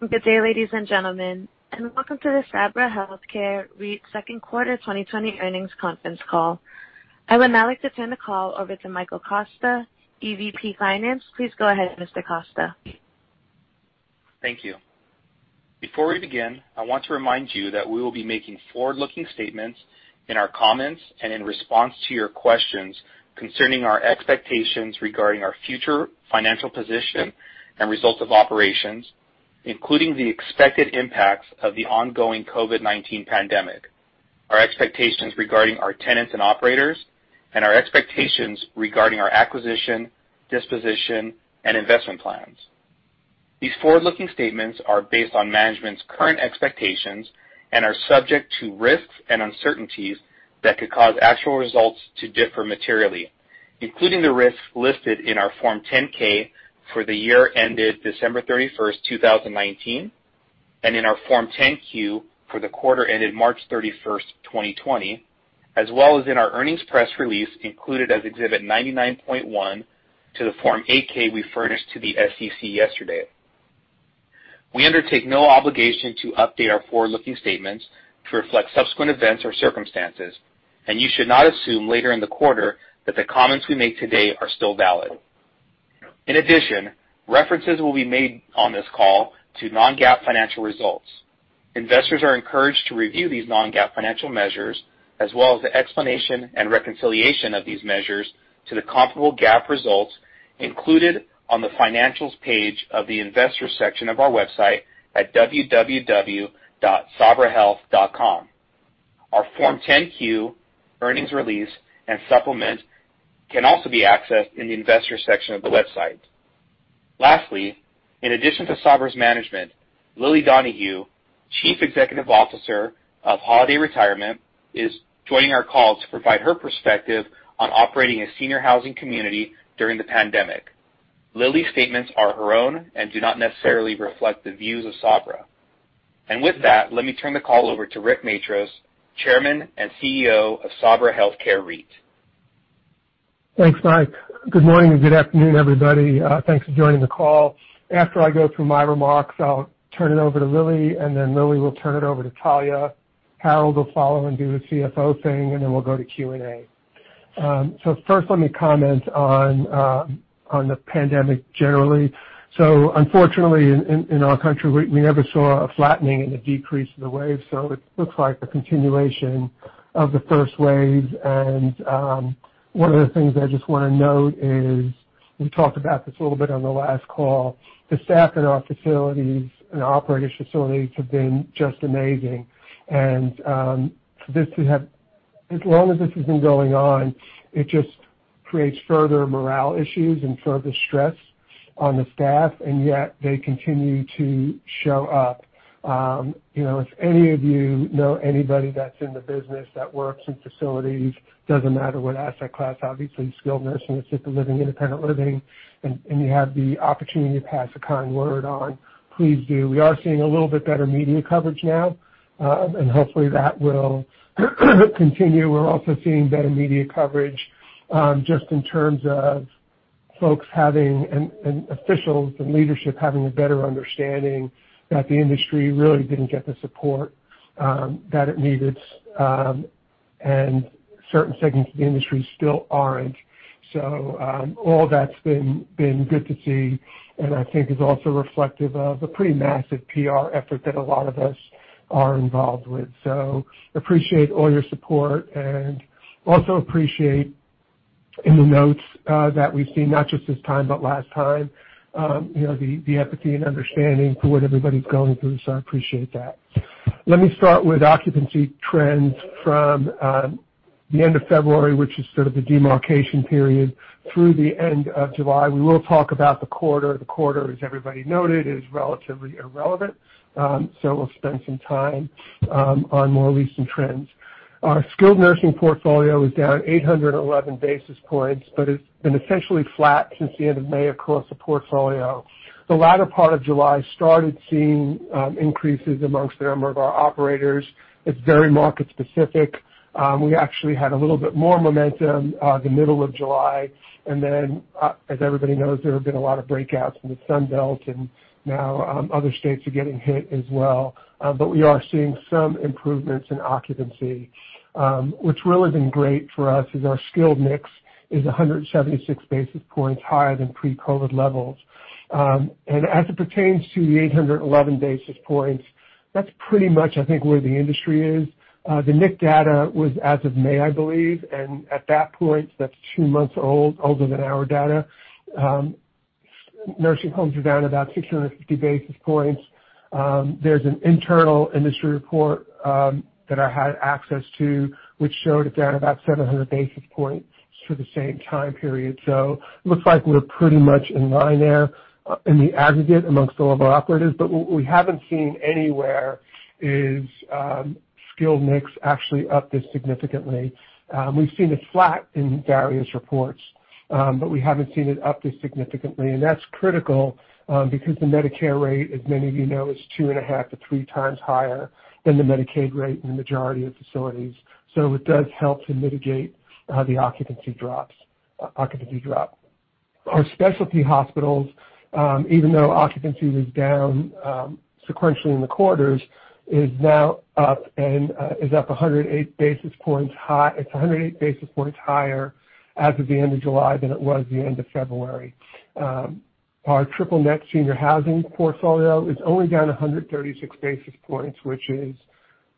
Good day, ladies and gentlemen, and welcome to the Sabra Health Care REIT Q2 2020 Earnings Conference Call. I would now like to turn the call over to Michael Costa, EVP Finance. Please go ahead, Mr. Costa. Thank you. Before we begin, I want to remind you that we will be making forward-looking statements in our comments and in response to your questions concerning our expectations regarding our future financial position and results of operations, including the expected impacts of the ongoing COVID-19 pandemic, our expectations regarding our tenants and operators, and our expectations regarding our acquisition, disposition, and investment plans. These forward-looking statements are based on management's current expectations and are subject to risks and uncertainties that could cause actual results to differ materially, including the risks listed in our Form 10-K for the year ended December 31st, 2019, and in our Form 10-Q for the quarter ended March 31st, 2020, as well as in our earnings press release included as Exhibit 99.1 to the Form 8-K we furnished to the SEC yesterday. We undertake no obligation to update our forward-looking statements to reflect subsequent events or circumstances, and you should not assume later in the quarter that the comments we make today are still valid. In addition, references will be made on this call to non-GAAP financial results. Investors are encouraged to review these non-GAAP financial measures, as well as the explanation and reconciliation of these measures to the comparable GAAP results included on the Financials page of the Investors section of our website at www.sabrahealth.com. Our Form 10-Q, earnings release, and supplement can also be accessed in the Investors section of the website. Lastly, in addition to Sabra's management, Lilly Donohue, Chief Executive Officer of Holiday Retirement, is joining our call to provide her perspective on operating a senior housing community during the pandemic. Lilly's statements are her own and do not necessarily reflect the views of Sabra. With that, let me turn the call over to Rick Matros, Chairman and CEO of Sabra Health Care REIT. Thanks, Mike. Good morning and good afternoon, everybody. Thanks for joining the call. After I go through my remarks, I'll turn it over to Lilly, and then Lilly will turn it over to Talya. Harold will follow and do the CFO thing, and then we'll go to Q&A. First, let me comment on the pandemic generally. Unfortunately, in our country, we never saw a flattening and a decrease in the wave, so it looks like a continuation of the first wave. One of the things I just want to note is, we talked about this a little bit on the last call, the staff in our facilities and operators' facilities have been just amazing. As long as this has been going on, it just creates further morale issues and further stress on the staff, and yet they continue to show up. If any of you know anybody that's in the business that works in facilities, doesn't matter what asset class, obviously skilled nursing, assisted living, independent living, and you have the opportunity to pass a kind word on, please do. We are seeing a little bit better media coverage now, and hopefully that will continue. We're also seeing better media coverage, just in terms of folks and officials and leadership having a better understanding that the industry really didn't get the support that it needed, and certain segments of the industry still aren't. All that's been good to see, and I think is also reflective of the pretty massive PR effort that a lot of us are involved with. Appreciate all your support and also appreciate in the notes that we've seen, not just this time, but last time, the empathy and understanding for what everybody's going through. I appreciate that. Let me start with occupancy trends from the end of February, which is sort of the demarcation period through the end of July. We will talk about the quarter. The quarter, as everybody noted, is relatively irrelevant. We'll spend some time on more recent trends. Our skilled nursing portfolio is down 811 basis points, but it's been essentially flat since the end of May across the portfolio. The latter part of July started seeing increases amongst a number of our operators. It's very market specific. We actually had a little bit more momentum the middle of July, and then, as everybody knows, there have been a lot of breakouts in the Sun Belt, and now other states are getting hit as well. We are seeing some improvements in occupancy. What's really been great for us is our skilled mix is 176 basis points higher than pre-COVID levels. As it pertains to the 811 basis points, that's pretty much, I think, where the industry is. The NIC data was as of May, I believe. At that point, that's two months older than our data. Nursing homes are down about 650 basis points. There's an internal industry report that I had access to which showed it down about 700 basis points for the same time period. Looks like we're pretty much in line there in the aggregate amongst all of our operators. What we haven't seen anywhere is skilled mix actually up this significantly. We've seen it flat in various reports. We haven't seen it up this significantly. That's critical because the Medicare rate, as many of you know, is two and a half to 3x higher than the Medicaid rate in the majority of facilities. It does help to mitigate the occupancy drop. Our specialty hospitals, even though occupancy was down sequentially in the quarters, is now up and is up 108 basis points high. It's 108 basis points higher as of the end of July than it was the end of February. Our triple net senior housing portfolio is only down 136 basis points, which is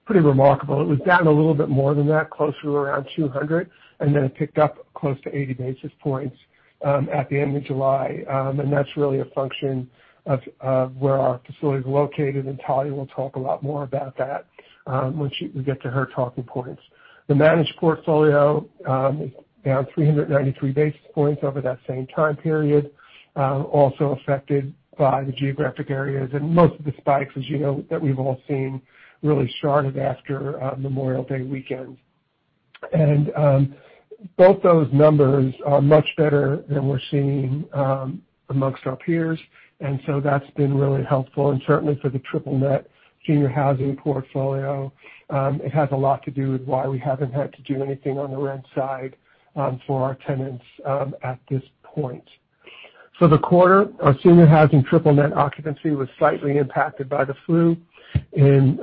pretty remarkable. It was down a little bit more than that, closer to around 200, and then it picked up close to 80 basis points at the end of July, and that's really a function of where our facility is located, and Talya will talk a lot more about that once we get to her talking points. The managed portfolio is down 393 basis points over that same time period, also affected by the geographic areas and most of the spikes, as you know, that we've all seen, really started after Memorial Day weekend. Both those numbers are much better than we're seeing among our peers, so that's been really helpful. Certainly for the triple-net senior housing portfolio, it has a lot to do with why we haven't had to do anything on the rent side for our tenants at this point. For the quarter, our senior housing triple-net occupancy was slightly impacted by the flu in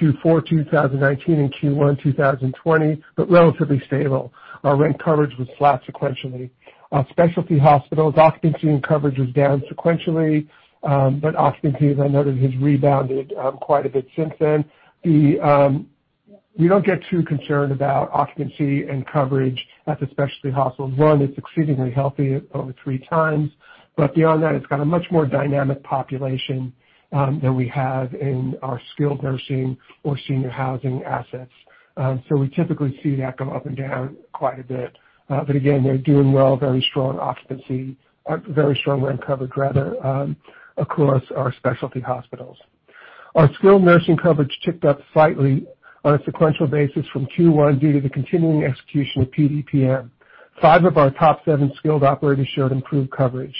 Q4 2019 and Q1 2020, relatively stable. Our rent coverage was flat sequentially. Our specialty hospitals occupancy and coverage was down sequentially, occupancy, as I noted, has rebounded quite a bit since then. We don't get too concerned about occupancy and coverage at the specialty hospitals. One, it's exceedingly healthy over 3x, but beyond that, it's got a much more dynamic population than we have in our skilled nursing or senior housing assets. We typically see that go up and down quite a bit. Again, they're doing well, very strong occupancy, very strong rent coverage, rather, across our specialty hospitals. Our skilled nursing coverage ticked up slightly on a sequential basis from Q1 due to the continuing execution of PDPM. Five of our top seven skilled operators showed improved coverage.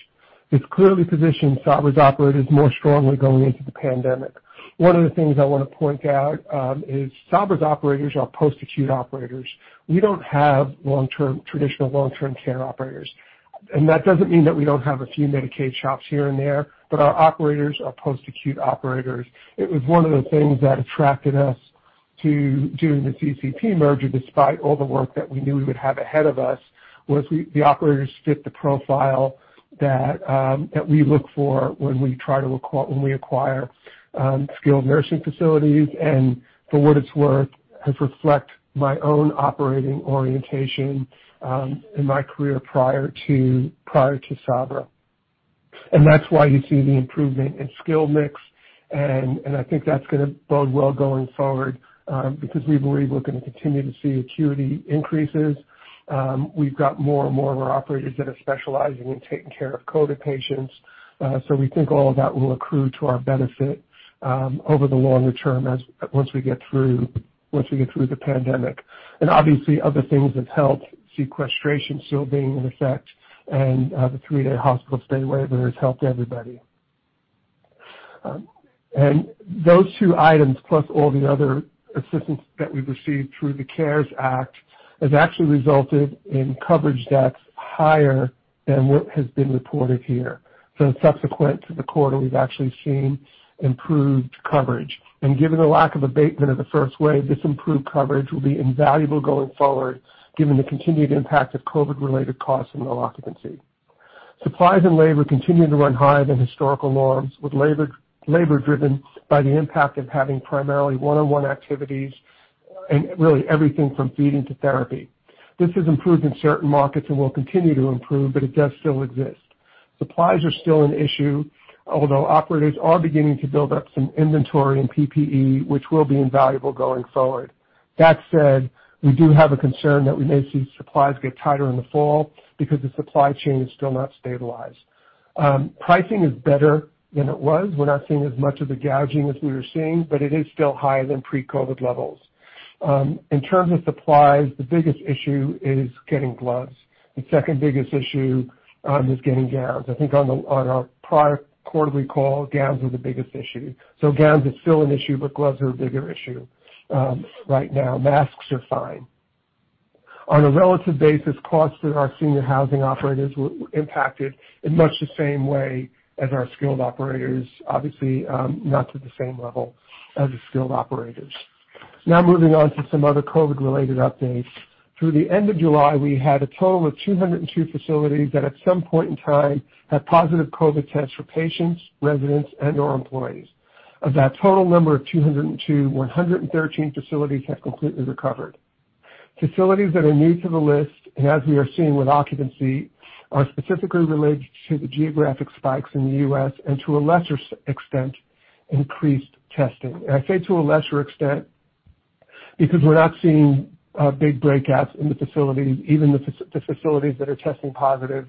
It's clearly positioned Sabra's operators more strongly going into the pandemic. One of the things I want to point out is Sabra's operators are post-acute operators. We don't have traditional long-term care operators. That doesn't mean that we don't have a few Medicaid shops here and there, but our operators are post-acute operators. It was one of the things that attracted us to doing the CCP merger, despite all the work that we knew we would have ahead of us, was the operators fit the profile that we look for when we acquire skilled nursing facilities and, for what it's worth, has reflect my own operating orientation in my career prior to Sabra. That's why you see the improvement in skill mix, and I think that's going to bode well going forward, because we believe we're going to continue to see acuity increases. We've got more and more of our operators that are specializing in taking care of COVID patients. We think all of that will accrue to our benefit over the longer term once we get through the pandemic. Obviously, other things have helped. Sequestration still being in effect, and the three-day hospital stay waiver has helped everybody. Those two items, plus all the other assistance that we've received through the CARES Act, has actually resulted in coverage that's higher than what has been reported here. Subsequent to the quarter, we've actually seen improved coverage. Given the lack of abatement of the first wave, this improved coverage will be invaluable going forward given the continued impact of COVID-related costs and low occupancy. Supplies and labor continue to run higher than historical norms, with labor driven by the impact of having primarily one-on-one activities and really everything from feeding to therapy. This has improved in certain markets and will continue to improve, but it does still exist. Supplies are still an issue, although operators are beginning to build up some inventory in PPE, which will be invaluable going forward. We do have a concern that we may see supplies get tighter in the fall because the supply chain is still not stabilized. Pricing is better than it was. We're not seeing as much of the gouging as we were seeing, but it is still higher than pre-COVID levels. In terms of supplies, the biggest issue is getting gloves. The second biggest issue is getting gowns. I think on our prior quarterly call, gowns were the biggest issue. Gowns is still an issue, but gloves are a bigger issue right now. Masks are fine. On a relative basis, costs with our senior housing operators were impacted in much the same way as our skilled operators, obviously, not to the same level as the skilled operators. Now moving on to some other COVID-related updates. Through the end of July, we had a total of 202 facilities that at some point in time had positive COVID tests for patients, residents, and or employees. Of that total number of 202, 113 facilities have completely recovered. Facilities that are new to the list, as we are seeing with occupancy, are specifically related to the geographic spikes in the U.S. and to a lesser extent, increased testing. I say to a lesser extent because we're not seeing big breakouts in the facilities, even the facilities that are testing positive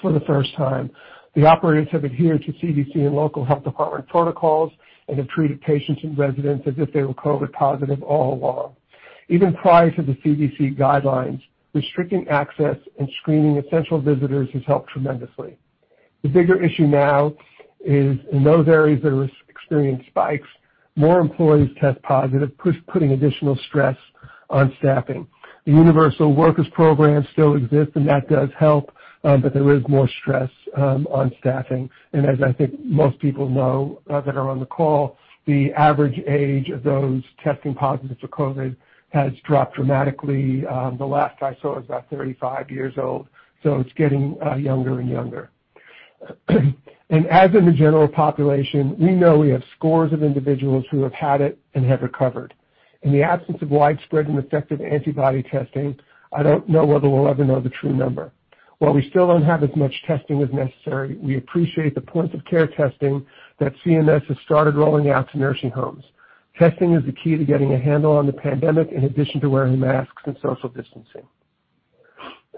for the first time. The operators have adhered to CDC and local health department protocols and have treated patients and residents as if they were COVID positive all along. Even prior to the CDC guidelines, restricting access and screening essential visitors has helped tremendously. The bigger issue now is in those areas that experience spikes, more employees test positive, putting additional stress on staffing. The Universal Workers program still exists, that does help, but there is more stress on staffing. As I think most people know that are on the call, the average age of those testing positive for COVID has dropped dramatically. The last I saw is about 35 years old, so it's getting younger and younger. As in the general population, we know we have scores of individuals who have had it and have recovered. In the absence of widespread and effective antibody testing, I don't know whether we'll ever know the true number. While we still don't have as much testing as necessary, we appreciate the point-of-care testing that CMS has started rolling out to nursing homes. Testing is the key to getting a handle on the pandemic, in addition to wearing masks and social distancing.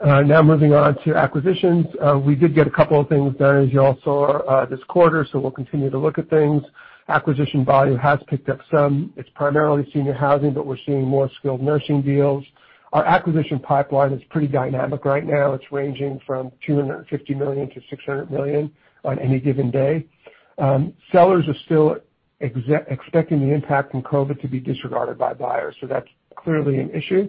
Moving on to acquisitions. We did get a couple of things done, as you all saw, this quarter, so we'll continue to look at things. Acquisition volume has picked up some. It's primarily senior housing, but we're seeing more skilled nursing deals. Our acquisition pipeline is pretty dynamic right now. It's ranging from $250 million-$600 million on any given day. Sellers are still expecting the impact from COVID to be disregarded by buyers, so that's clearly an issue.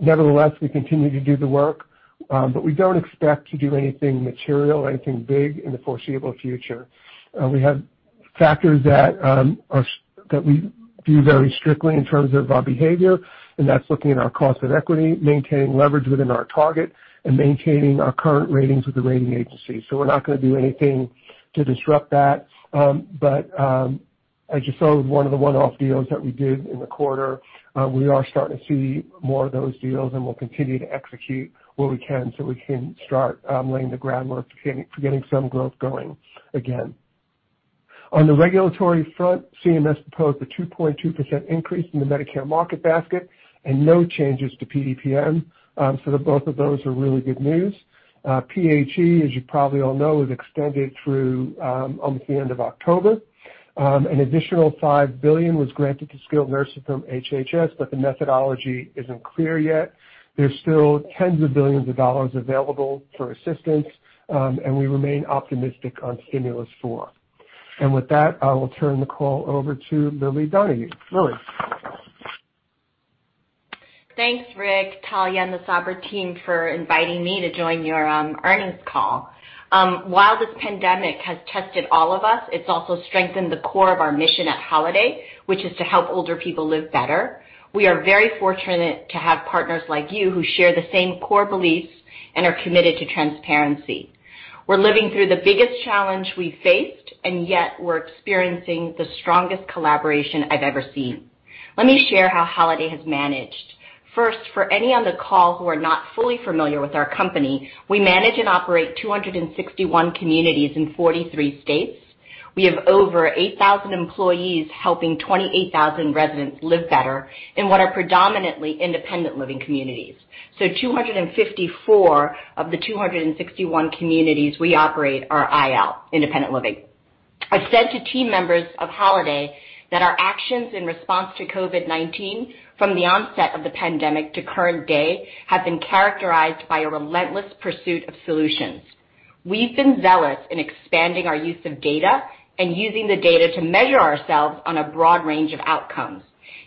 Nevertheless, we continue to do the work, but we don't expect to do anything material or anything big in the foreseeable future. We have factors that we view very strictly in terms of our behavior, and that's looking at our cost of equity, maintaining leverage within our target, and maintaining our current ratings with the rating agency. We're not going to do anything to disrupt that. As you saw with one of the one-off deals that we did in the quarter, we are starting to see more of those deals, and we'll continue to execute where we can so we can start laying the groundwork for getting some growth going again. On the regulatory front, CMS proposed a 2.2% increase in the Medicare market basket and no changes to PDPM, so the both of those are really good news. PHE, as you probably all know, is extended through almost the end of October. An additional $5 billion was granted to skilled nursing from HHS, but the methodology isn't clear yet. There's still tens of billions of dollars available for assistance. We remain optimistic on Stimulus four. With that, I will turn the call over to Lilly Donohue. Lilly. Thanks, Rick, Talya, and the Sabra team for inviting me to join your earnings call. While this pandemic has tested all of us, it's also strengthened the core of our mission at Holiday, which is to help older people live better. We are very fortunate to have partners like you who share the same core beliefs and are committed to transparency. We're living through the biggest challenge we faced, yet we're experiencing the strongest collaboration I've ever seen. Let me share how Holiday has managed. First, for any on the call who are not fully familiar with our company, we manage and operate 261 communities in 43 states. We have over 8,000 employees helping 28,000 residents live better in what are predominantly independent living communities. 254 of the 261 communities we operate are IL, independent living. I've said to team members of Holiday that our actions in response to COVID-19 from the onset of the pandemic to current day, have been characterized by a relentless pursuit of solutions. We've been zealous in expanding our use of data and using the data to measure ourselves on a broad range of outcomes.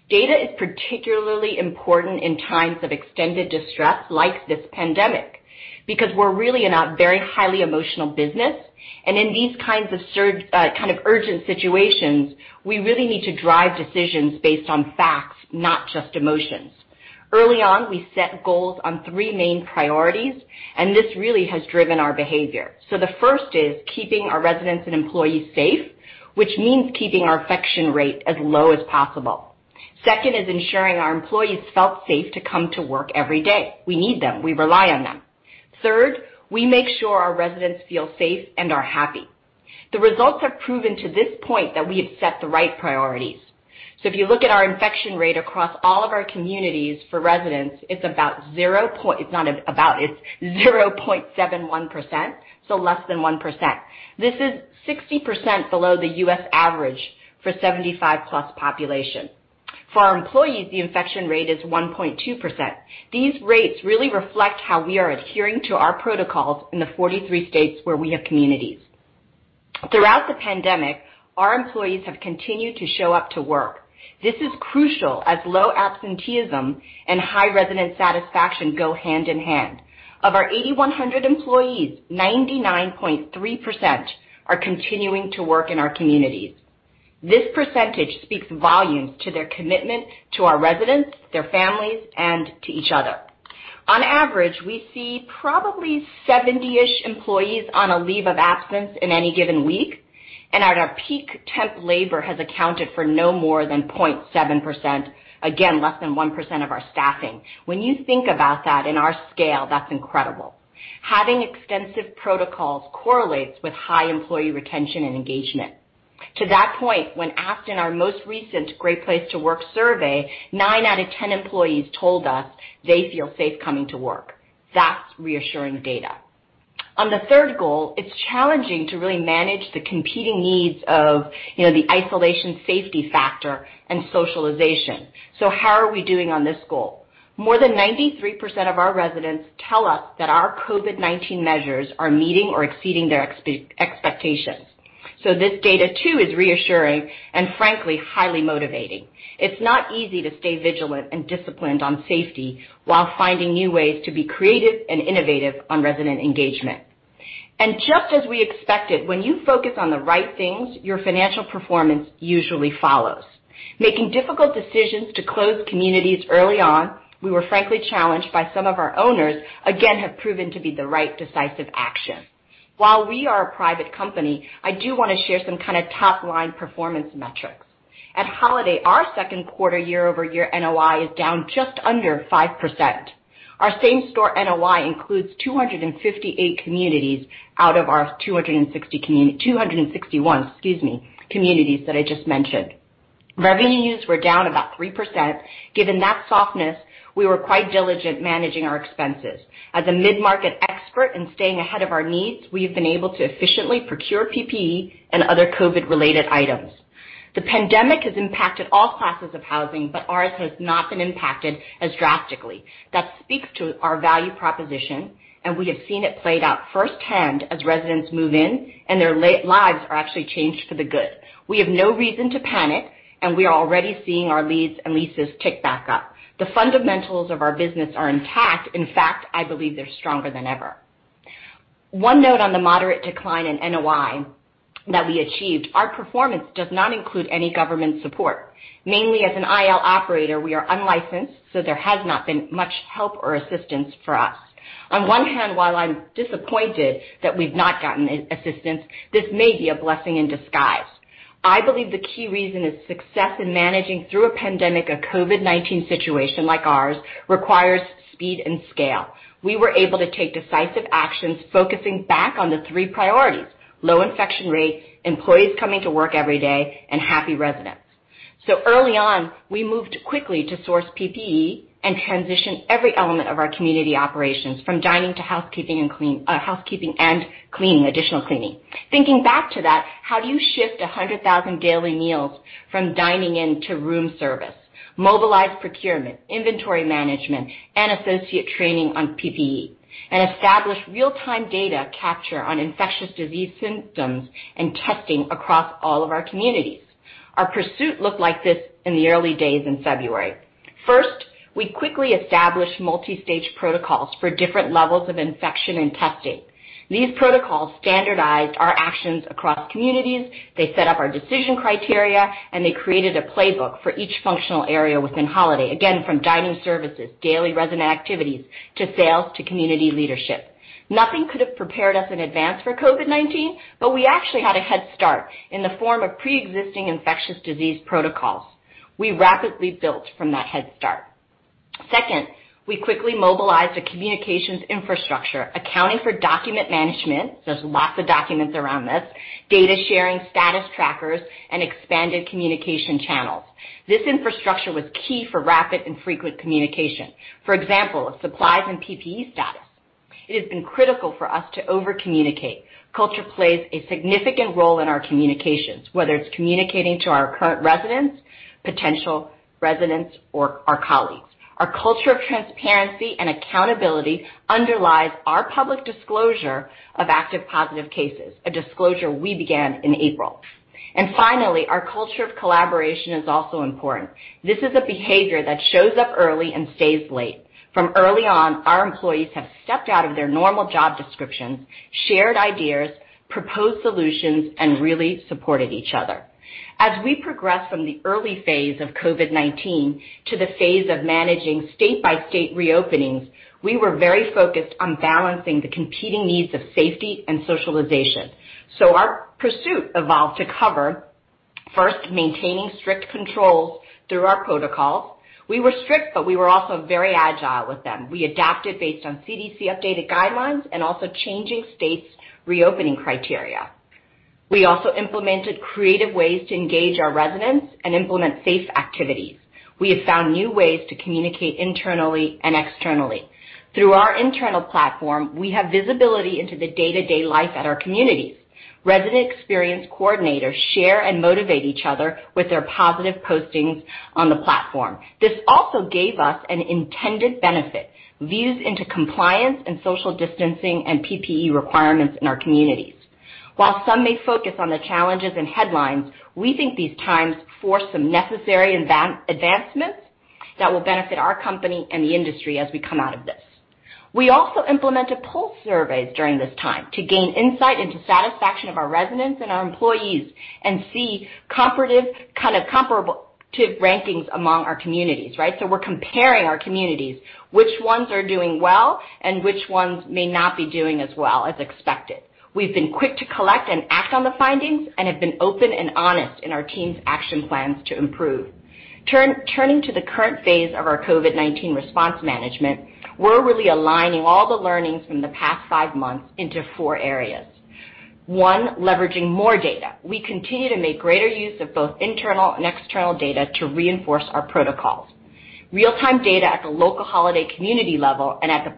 Data is particularly important in times of extended distress like this pandemic, because we're really in a very highly emotional business. In these kinds of urgent situations, we really need to drive decisions based on facts, not just emotions. Early on, we set goals on three main priorities, and this really has driven our behavior. The first is keeping our residents and employees safe, which means keeping our infection rate as low as possible. Second is ensuring our employees felt safe to come to work every day. We need them. We rely on them. Third, we make sure our residents feel safe and are happy. The results have proven to this point that we have set the right priorities. If you look at our infection rate across all of our communities for residents, it's 0.71%, less than one percent. This is 60% below the U.S. average for 75-plus population. For our employees, the infection rate is 1.2%. These rates really reflect how we are adhering to our protocols in the 43 states where we have communities. Throughout the pandemic, our employees have continued to show up to work. This is crucial as low absenteeism and high resident satisfaction go hand in hand. Of our 8,100 employees, 99.3% are continuing to work in our communities. This percentage speaks volumes to their commitment to our residents, their families, and to each other. On average, we see probably 70-ish employees on a leave of absence in any given week. At our peak, temp labor has accounted for no more than 0.7%. Again, less than one percent of our staffing. When you think about that in our scale, that's incredible. Having extensive protocols correlates with high employee retention and engagement. To that point, when asked in our most recent Great Place To Work survey, nine out of 10 employees told us they feel safe coming to work. That's reassuring data. On the third goal, it's challenging to really manage the competing needs of the isolation safety factor and socialization. How are we doing on this goal? More than 93% of our residents tell us that our COVID-19 measures are meeting or exceeding their expectations. This data too is reassuring and frankly, highly motivating. It's not easy to stay vigilant and disciplined on safety while finding new ways to be creative and innovative on resident engagement. Just as we expected, when you focus on the right things, your financial performance usually follows. Making difficult decisions to close communities early on, we were frankly challenged by some of our owners, again, have proven to be the right decisive action. While we are a private company, I do want to share some kind of top-line performance metrics. At Holiday, our second quarter year-over-year NOI is down just under five percent. Our same store NOI includes 258 communities out of our 261 communities that I just mentioned. Revenues were down about three percent. Given that softness, we were quite diligent managing our expenses. As a mid-market expert in staying ahead of our needs, we have been able to efficiently procure PPE and other COVID-related items. The pandemic has impacted all classes of housing, but ours has not been impacted as drastically. That speaks to our value proposition, and we have seen it played out firsthand as residents move in and their lives are actually changed for the good. We have no reason to panic, and we are already seeing our leads and leases tick back up. The fundamentals of our business are intact. In fact, I believe they're stronger than ever. One note on the moderate decline in NOI that we achieved, our performance does not include any government support. Mainly as an IL operator, we are unlicensed, so there has not been much help or assistance for us. On one hand, while I'm disappointed that we've not gotten assistance, this may be a blessing in disguise. I believe the key reason is success in managing through a pandemic, a COVID-19 situation like ours requires speed and scale. We were able to take decisive actions, focusing back on the three priorities, low infection rate, employees coming to work every day, and happy residents. Early on, we moved quickly to source PPE and transition every element of our community operations, from dining to housekeeping and cleaning, additional cleaning. Thinking back to that, how do you shift 100,000 daily meals from dining in to room service, mobilize procurement, inventory management, and associate training on PPE, and establish real-time data capture on infectious disease symptoms and testing across all of our communities? Our pursuit looked like this in the early days in February. First, we quickly established multi-stage protocols for different levels of infection and testing. These protocols standardized our actions across communities, they set up our decision criteria, and they created a playbook for each functional area within Holiday, again, from dining services, daily resident activities, to sales, to community leadership. Nothing could have prepared us in advance for COVID-19, but we actually had a head start in the form of preexisting infectious disease protocols. We rapidly built from that head start. Second, we quickly mobilized a communications infrastructure, accounting for document management, there's lots of documents around this, data sharing, status trackers, and expanded communication channels. This infrastructure was key for rapid and frequent communication. For example, supplies and PPE status. It has been critical for us to over-communicate. Culture plays a significant role in our communications, whether it's communicating to our current residents, potential residents, or our colleagues. Our culture of transparency and accountability underlies our public disclosure of active positive cases, a disclosure we began in April. Finally, our culture of collaboration is also important. This is a behavior that shows up early and stays late. From early on, our employees have stepped out of their normal job descriptions, shared ideas, proposed solutions, and really supported each other. As we progress from the early phase of COVID-19 to the phase of managing state-by-state reopenings, we were very focused on balancing the competing needs of safety and socialization. Our pursuit evolved to cover, first, maintaining strict controls through our protocols. We were strict, but we were also very agile with them. We adapted based on CDC updated guidelines and also changing states' reopening criteria. We also implemented creative ways to engage our residents and implement safe activities. We have found new ways to communicate internally and externally. Through our internal platform, we have visibility into the day-to-day life at our communities. Resident experience coordinators share and motivate each other with their positive postings on the platform. This also gave us an intended benefit, views into compliance and social distancing and PPE requirements in our communities. While some may focus on the challenges and headlines, we think these times forced some necessary advancements that will benefit our company and the industry as we come out of this. We also implemented pulse surveys during this time to gain insight into satisfaction of our residents and our employees and see comparative, kind of, comparative rankings among our communities, right? We're comparing our communities. Which ones are doing well, and which ones may not be doing as well as expected. We've been quick to collect and act on the findings and have been open and honest in our team's action plans to improve. Turning to the current phase of our COVID-19 response management, we're really aligning all the learnings from the past five months into four areas. one. Leveraging more data. We continue to make greater use of both internal and external data to reinforce our protocols. Real-time data at the local Holiday community level and at the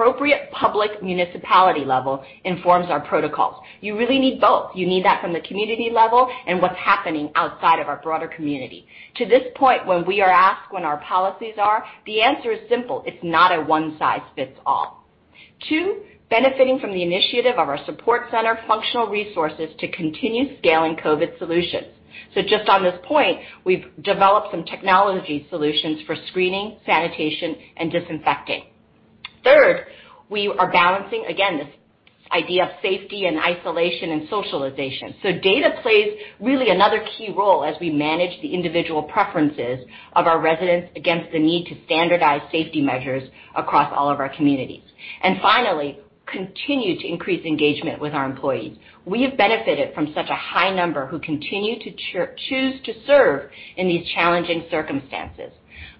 appropriate public municipality level informs our protocols. You really need both. You need that from the community level and what's happening outside of our broader community. To this point, when we are asked what our policies are, the answer is simple. It's not a one-size-fits-all. two. Benefiting from the initiative of our support center functional resources to continue scaling COVID solutions. Just on this point, we've developed some technology solutions for screening, sanitation, and disinfecting. Third, we are balancing, again, this idea of safety and isolation and socialization. Data plays really another key role as we manage the individual preferences of our residents against the need to standardize safety measures across all of our communities. Finally, continue to increase engagement with our employees. We have benefited from such a high number who continue to choose to serve in these challenging circumstances.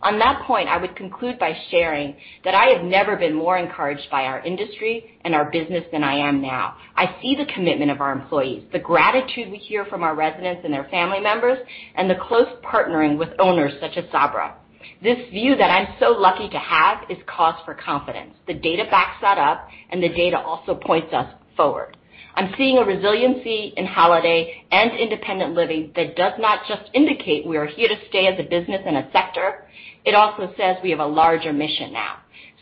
On that point, I would conclude by sharing that I have never been more encouraged by our industry and our business than I am now. I see the commitment of our employees, the gratitude we hear from our residents and their family members, and the close partnering with owners such as Sabra. This view that I'm so lucky to have is cause for confidence. The data backs that up, and the data also points us forward. I'm seeing a resiliency in Holiday and independent living that does not just indicate we are here to stay as a business and a sector. It also says we have a larger mission now.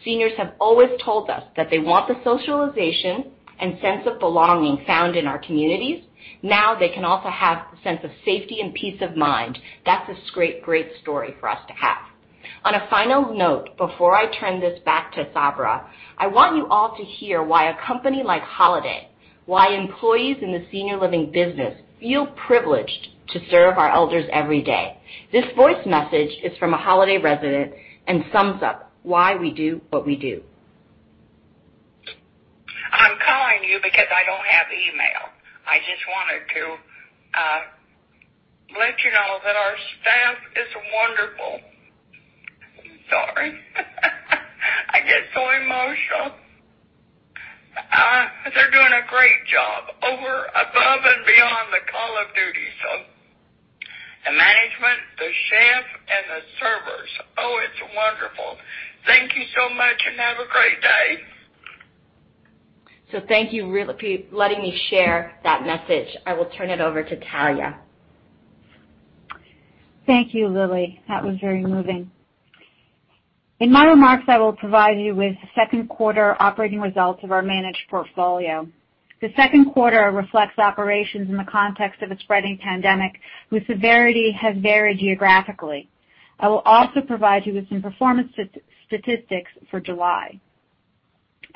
Seniors have always told us that they want the socialization and sense of belonging found in our communities. Now they can also have a sense of safety and peace of mind. That's a great story for us to have. On a final note, before I turn this back to Sabra, I want you all to hear why a company like Holiday, why employees in the senior living business feel privileged to serve our elders every day. This voice message is from a Holiday resident and sums up why we do what we do. I'm calling you because I don't have email. I just wanted to let you know that our staff is wonderful. Sorry. I get so emotional. They're doing a great job over, above, and beyond the call of duty. The management, the chef, and the servers, oh, it's wonderful. Thank you so much and have a great day. Thank you for letting me share that message. I will turn it over to Talya. Thank you, Lilly. That was very moving. In my remarks, I will provide you with the Q2 operating results of our managed portfolio. The Q2 reflects operations in the context of a spreading pandemic whose severity has varied geographically. I will also provide you with some performance statistics for July.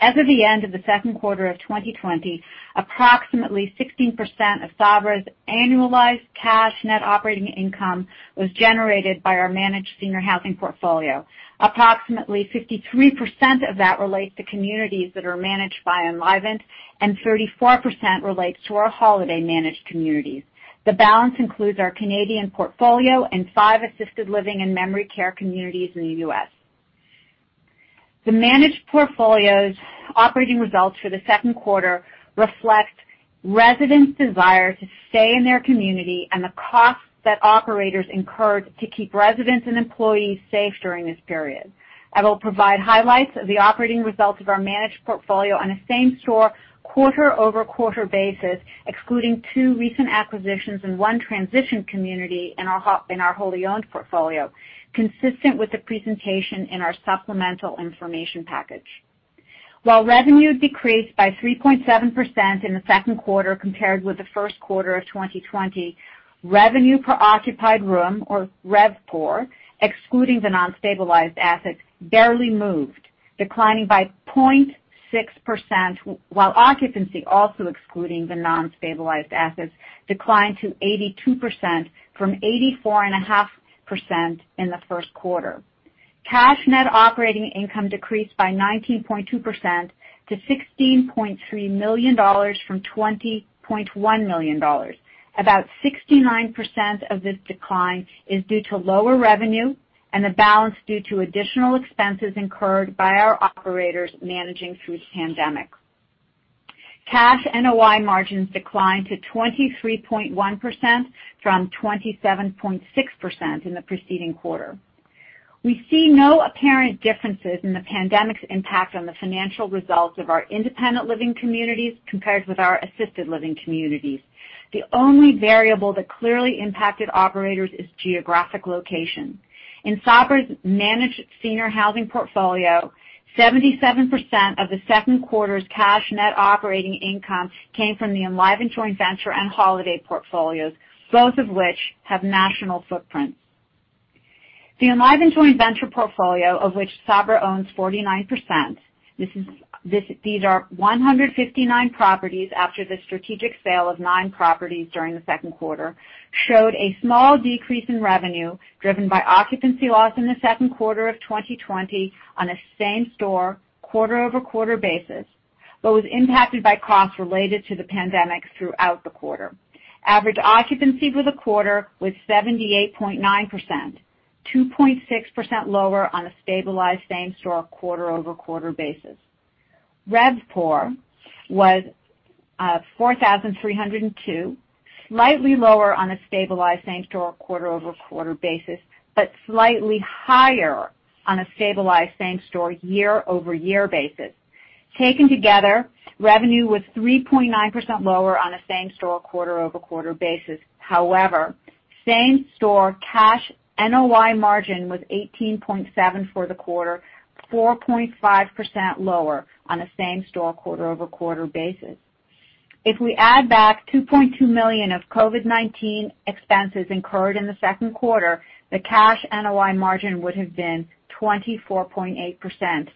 As of the end of the Q2 of 2020, approximately 16% of Sabra's annualized cash net operating income was generated by our managed senior housing portfolio. Approximately 53% of that relates to communities that are managed by Enlivant, and 34% relates to our Holiday managed communities. The balance includes our Canadian portfolio and five assisted living and memory care communities in the U.S. The managed portfolio's operating results for the Q2 reflect residents' desire to stay in their community and the costs that operators incurred to keep residents and employees safe during this period. I will provide highlights of the operating results of our managed portfolio on a same-store, quarter-over-quarter basis, excluding two recent acquisitions and one transition community in our wholly owned portfolio, consistent with the presentation in our supplemental information package. While revenue decreased by 3.7% in the Q2 compared with the Q1 of 2020, revenue per occupied room, or RevPOR, excluding the non-stabilized assets, barely moved, declining by 0.6%, while occupancy, also excluding the non-stabilized assets, declined to 82% from 84.5% in the Q1. Cash net operating income decreased by 19.2% to $16.3 million from $20.1 million. About 69% of this decline is due to lower revenue and the balance due to additional expenses incurred by our operators managing through the pandemic. Cash NOI margins declined to 23.1% from 27.6% in the preceding quarter. We see no apparent differences in the pandemic's impact on the financial results of our independent living communities compared with our assisted living communities. The only variable that clearly impacted operators is geographic location. In Sabra's managed senior housing portfolio, 77% of the second quarter's cash net operating income came from the Enlivant joint venture and Holiday portfolios, both of which have national footprints. The Enlivant joint venture portfolio, of which Sabra owns 49%, these are 159 properties after the strategic sale of nine properties during the Q2, showed a small decrease in revenue, driven by occupancy loss in the Q2 of 2020 on a same store, quarter-over-quarter basis, but was impacted by costs related to the pandemic throughout the quarter. Average occupancy for the quarter was 78.9%, 2.6% lower on a stabilized same store, quarter-over-quarter basis. RevPOR was $4,302, slightly lower on a stabilized same-store quarter-over-quarter basis, but slightly higher on a stabilized same-store year-over-year basis. Taken together, revenue was 3.9% lower on a same-store quarter-over-quarter basis. However, same-store cash NOI margin was 18.7% for the quarter, 4.5% lower on a same-store quarter-over-quarter basis. If we add back $2.2 million of COVID-19 expenses incurred in the Q2, the cash NOI margin would have been 24.8%,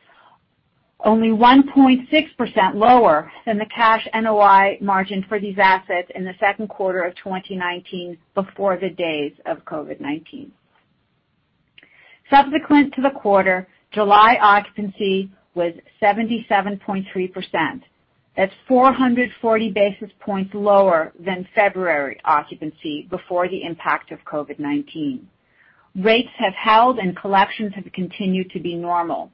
only 1.6% lower than the cash NOI margin for these assets in the Q2 of 2019 before the days of COVID-19. Subsequent to the quarter, July occupancy was 77.3%. That's 440 basis points lower than February occupancy before the impact of COVID-19. Rates have held and collections have continued to be normal.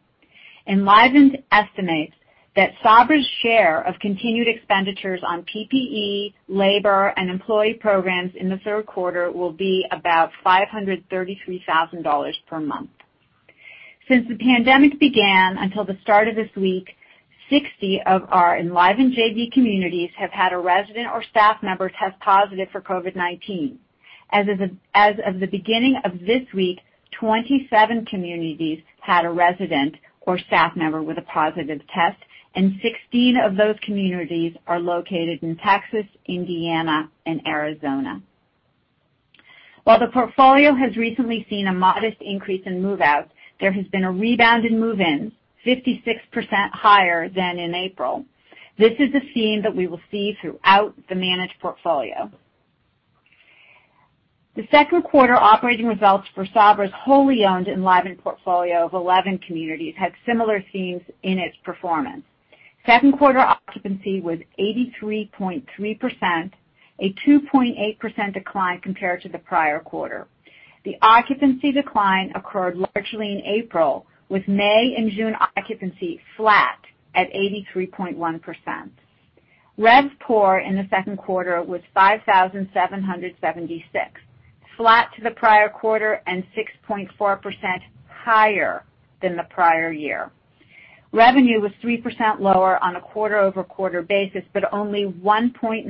Enlivant estimates that Sabra's share of continued expenditures on PPE, labor, and employee programs in the Q3 will be about $533,000 per month. Since the pandemic began until the start of this week, 60 of our Enlivant JV communities have had a resident or staff member test positive for COVID-19. As of the beginning of this week, 27 communities had a resident or staff member with a positive test, and 16 of those communities are located in Texas, Indiana, and Arizona. While the portfolio has recently seen a modest increase in move-out, there has been a rebound in move-in, 56% higher than in April. This is a theme that we will see throughout the managed portfolio. The Q2 operating results for Sabra's wholly owned Enlivant portfolio of 11 communities had similar themes in its performance. Q2 occupancy was 83.3%, a 2.8% decline compared to the prior quarter. The occupancy decline occurred largely in April, with May and June occupancy flat at 83.1%. RevPOR in the Q2 was 5,776, flat to the prior quarter and 6.4% higher than the prior year. Revenue was three percent lower on a quarter-over-quarter basis, but only 1.9%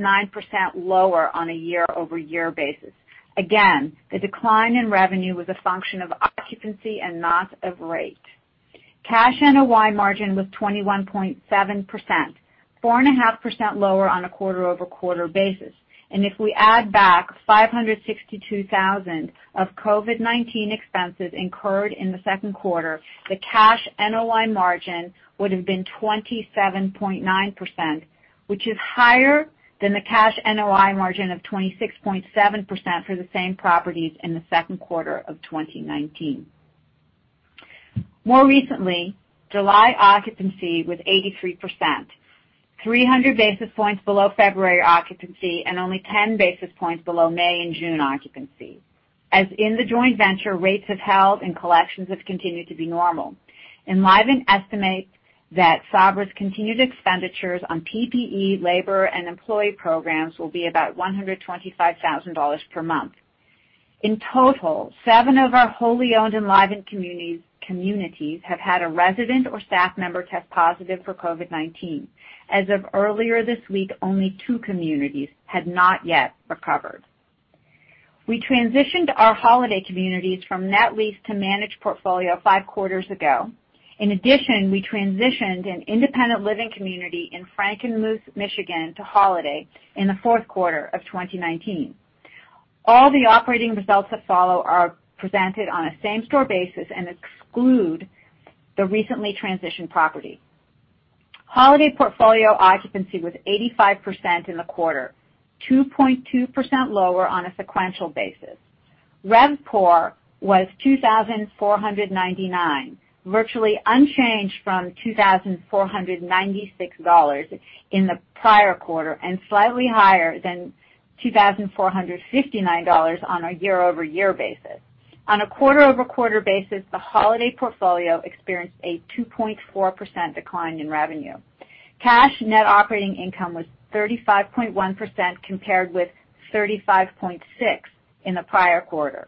lower on a year-over-year basis. Again, the decline in revenue was a function of occupancy and not of rate. Cash NOI margin was 21.7%, 4.5% lower on a quarter-over-quarter basis. If we add back $562,000 of COVID-19 expenses incurred in the Q2, the cash NOI margin would have been 27.9%, which is higher than the cash NOI margin of 26.7% for the same properties in the Q2 of 2019. More recently, July occupancy was 83%, 300 basis points below February occupancy and only 10 basis points below May and June occupancy. As in the joint venture, rates have held and collections have continued to be normal. Enlivant estimates that Sabra's continued expenditures on PPE, labor, and employee programs will be about $125,000 per month. In total, seven of our wholly owned Enlivant communities have had a resident or staff member test positive for COVID-19. As of earlier this week, only two communities had not yet recovered. We transitioned our Holiday communities from net lease to managed portfolio Q5 ago. In addition, we transitioned an independent living community in Frankenmuth, Michigan, to Holiday in the Q4 of 2019. All the operating results that follow are presented on a same-store basis and exclude the recently transitioned property. Holiday portfolio occupancy was 85% in the quarter, 2.2% lower on a sequential basis. RevPOR was $2,499, virtually unchanged from $2,496 in the prior quarter, and slightly higher than $2,459 on a year-over-year basis. On a quarter-over-quarter basis, the Holiday portfolio experienced a 2.4% decline in revenue. Cash net operating income was 35.1%, compared with 35.6% in the prior quarter.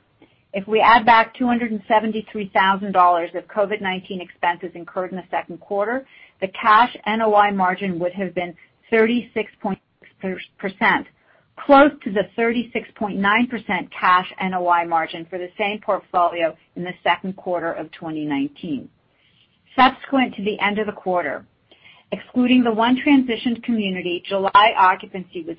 If we add back $273,000 of COVID-19 expenses incurred in the Q2, the cash NOI margin would have been 36%, close to the 36.9% cash NOI margin for the same portfolio in the Q2 of 2019. Subsequent to the end of the quarter, excluding the one transitioned community, July occupancy was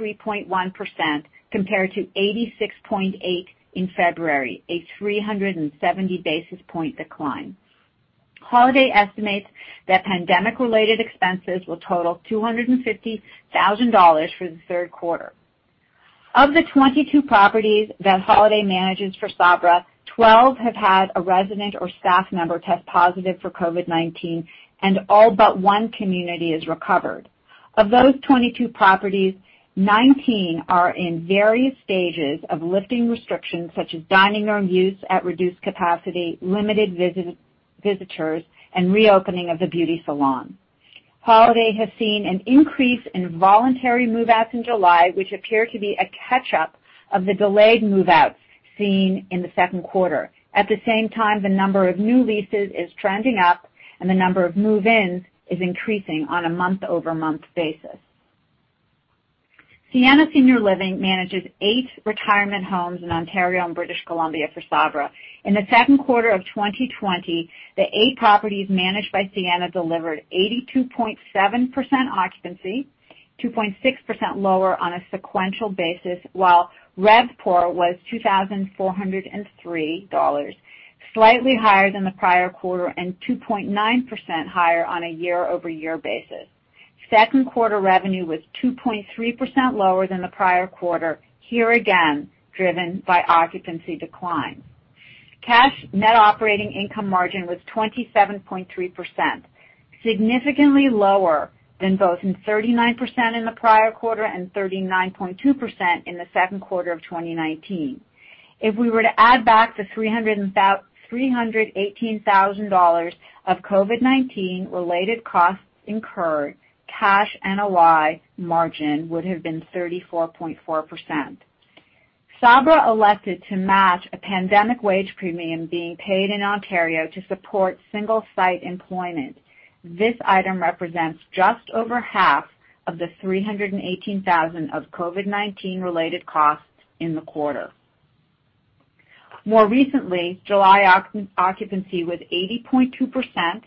83.1% compared to 86.8% in February, a 370 basis point decline. Holiday estimates that pandemic-related expenses will total $250,000 for the Q3. Of the 22 properties that Holiday manages for Sabra, 12 have had a resident or staff member test positive for COVID-19, and all but one community is recovered. Of those 22 properties, 19 are in various stages of lifting restrictions such as dining room use at reduced capacity, limited visitors and reopening of the beauty salon. Holiday has seen an increase in voluntary move-outs in July, which appear to be a catch-up of the delayed move-outs seen in the Q2. At the same time, the number of new leases is trending up and the number of move-ins is increasing on a month-over-month basis. Sienna Senior Living manages eight retirement homes in Ontario and British Columbia for Sabra. In the Q2 of 2020, the eight properties managed by Sienna delivered 82.7% occupancy, 2.6% lower on a sequential basis, while RevPOR was $2,403, slightly higher than the prior quarter, and 2.9% higher on a year-over-year basis. Q2 revenue was 2.3% lower than the prior quarter, here again driven by occupancy decline. Cash net operating income margin was 27.3%, significantly lower than both in 39% in the prior quarter and 39.2% in the Q2 of 2019. If we were to add back the $318,000 of COVID-19 related costs incurred, cash NOI margin would have been 34.4%. Sabra elected to match a pandemic wage premium being paid in Ontario to support single site employment. This item represents just over half of the $318,000 of COVID-19 related costs in the quarter. More recently, July occupancy was 80.2%,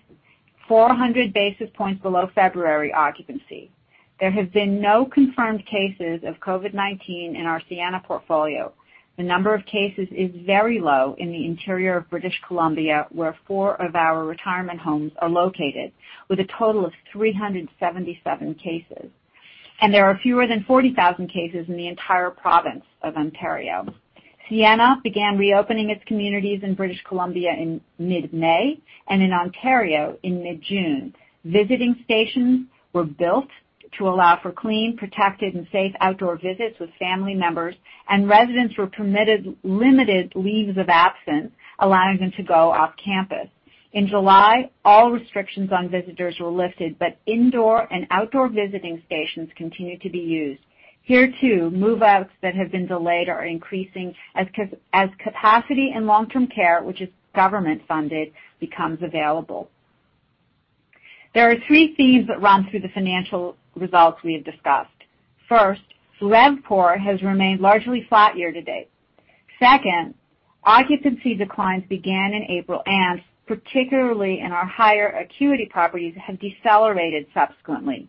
400 basis points below February occupancy. There have been no confirmed cases of COVID-19 in our Sienna portfolio. The number of cases is very low in the interior of British Columbia, where four of our retirement homes are located, with a total of 377 cases. There are fewer than 40,000 cases in the entire province of Ontario. Sienna began reopening its communities in British Columbia in mid-May and in Ontario in mid-June. Visiting stations were built to allow for clean, protected, and safe outdoor visits with family members, and residents were permitted limited leaves of absence allowing them to go off campus. In July, all restrictions on visitors were lifted, but indoor and outdoor visiting stations continue to be used. Here, too, move-outs that have been delayed are increasing as capacity and long-term care, which is government funded, becomes available. There are three themes that run through the financial results we have discussed. First, RevPOR has remained largely flat year-to-date. Second, occupancy declines began in April and particularly in our higher acuity properties have decelerated subsequently.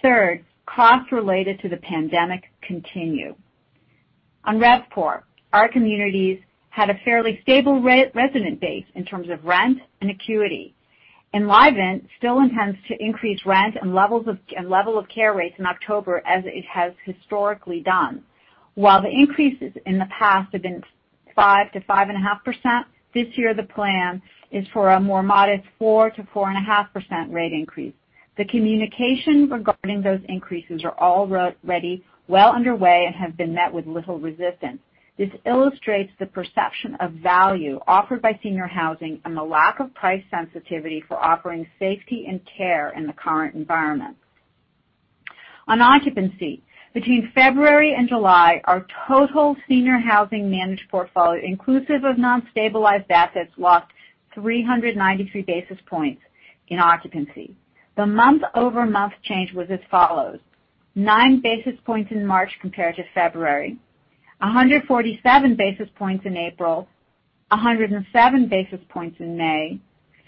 Third, costs related to the pandemic continue. On RevPOR, our communities had a fairly stable resident base in terms of rent and acuity. Enlivant still intends to increase rent and level of care rates in October as it has historically done. While the increases in the past have been 5%-5.5%, this year the plan is for a more modest 4%-4.5% rate increase. The communication regarding those increases are already well underway and have been met with little resistance. This illustrates the perception of value offered by senior housing and the lack of price sensitivity for offering safety and care in the current environment. On occupancy, between February and July, our total senior housing managed portfolio, inclusive of non-stabilized assets, lost 393 basis points in occupancy. The month-over-month change was as follows: nine basis points in March compared to February, 147 basis points in April, 107 basis points in May,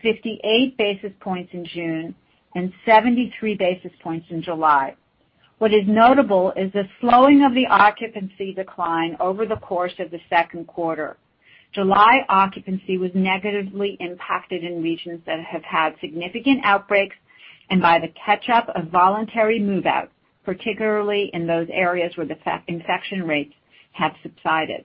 58 basis points in June, and 73 basis points in July. What is notable is the slowing of the occupancy decline over the course of the Q2. July occupancy was negatively impacted in regions that have had significant outbreaks and by the catch-up of voluntary move-outs, particularly in those areas where the infection rates have subsided.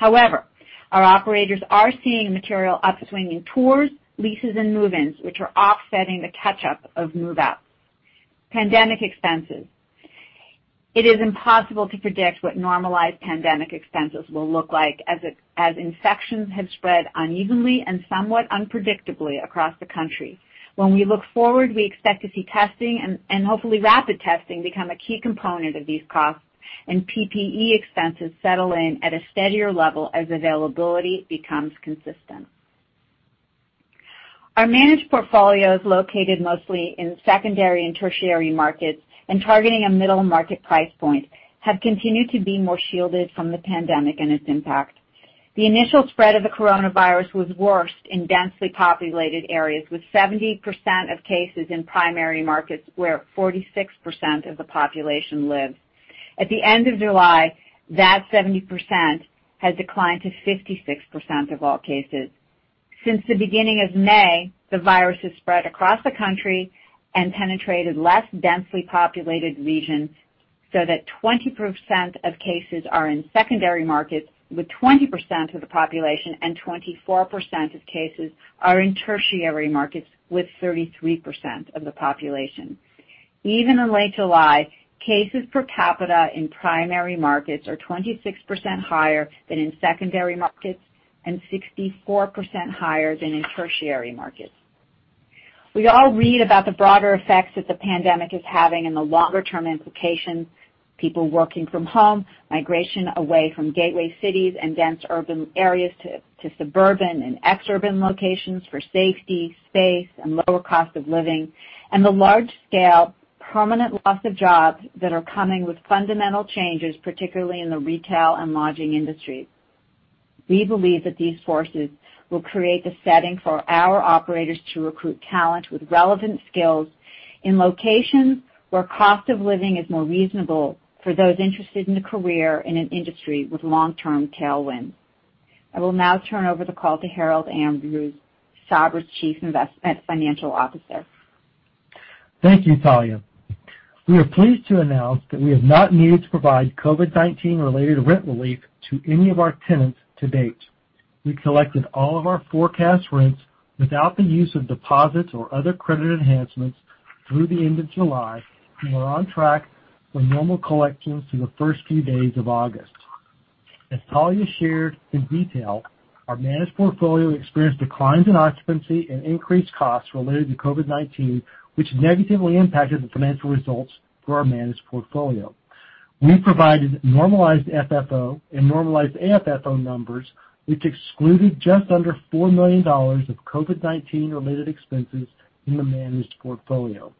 Our operators are seeing material upswing in tours, leases, and move-ins, which are offsetting the catch-up of move-outs. Pandemic expenses. It is impossible to predict what normalized pandemic expenses will look like as infections have spread unevenly and somewhat unpredictably across the country. We look forward, we expect to see testing and hopefully rapid testing become a key component of these costs and PPE expenses settle in at a steadier level as availability becomes consistent. Our managed portfolios, located mostly in secondary and tertiary markets and targeting a middle market price point, have continued to be more shielded from the pandemic and its impact. The initial spread of the coronavirus was worst in densely populated areas, with 70% of cases in primary markets where 46% of the population lives. At the end of July, that 70% had declined to 56% of all cases. Since the beginning of May, the virus has spread across the country and penetrated less densely populated regions so that 20% of cases are in secondary markets with 20% of the population and 24% of cases are in tertiary markets with 33% of the population. Even in late July, cases per capita in primary markets are 26% higher than in secondary markets and 64% higher than in tertiary markets. We all read about the broader effects that the pandemic is having and the longer-term implications. People working from home, migration away from gateway cities and dense urban areas to suburban and exurban locations for safety, space, and lower cost of living, and the large-scale permanent loss of jobs that are coming with fundamental changes, particularly in the retail and lodging industries. We believe that these forces will create the setting for our operators to recruit talent with relevant skills in locations where cost of living is more reasonable for those interested in a career in an industry with long-term tailwinds. I will now turn over the call to Harold Andrews, Sabra's Chief Financial Officer. Thank you, Talya. We are pleased to announce that we have not needed to provide COVID-19 related rent relief to any of our tenants to date. We collected all of our forecast rents without the use of deposits or other credit enhancements through the end of July and were on track for normal collections through the first few days of August. As Talya shared in detail, our managed portfolio experienced declines in occupancy and increased costs related to COVID-19, which negatively impacted the financial results for our managed portfolio. We provided normalized FFO and normalized AFFO numbers, which excluded just under $4 million of COVID-19 related expenses in the managed portfolio.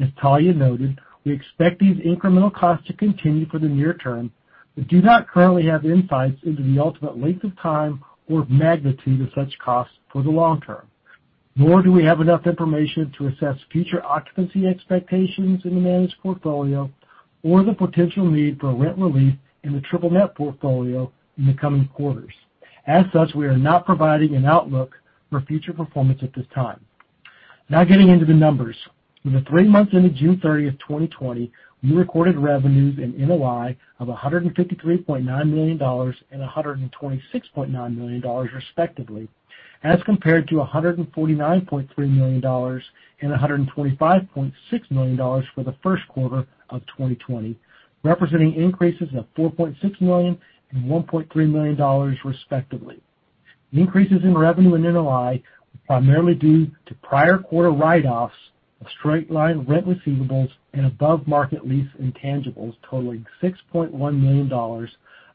As Talya noted, we expect these incremental costs to continue for the near term, but do not currently have insights into the ultimate length of time or magnitude of such costs for the long term, nor do we have enough information to assess future occupancy expectations in the managed portfolio or the potential need for rent relief in the triple net portfolio in the coming quarters. As such, we are not providing an outlook for future performance at this time. Now getting into the numbers. For the three months ended June 30th, 2020, we recorded revenues and NOI of $153.9 million and $126.9 million respectively, as compared to $149.3 million and $125.6 million for the Q1 of 2020, representing increases of $4.6 million and $1.3 million respectively. The increases in revenue and NOI were primarily due to prior quarter write-offs of straight-line rent receivables and above-market lease intangibles totaling $6.1 million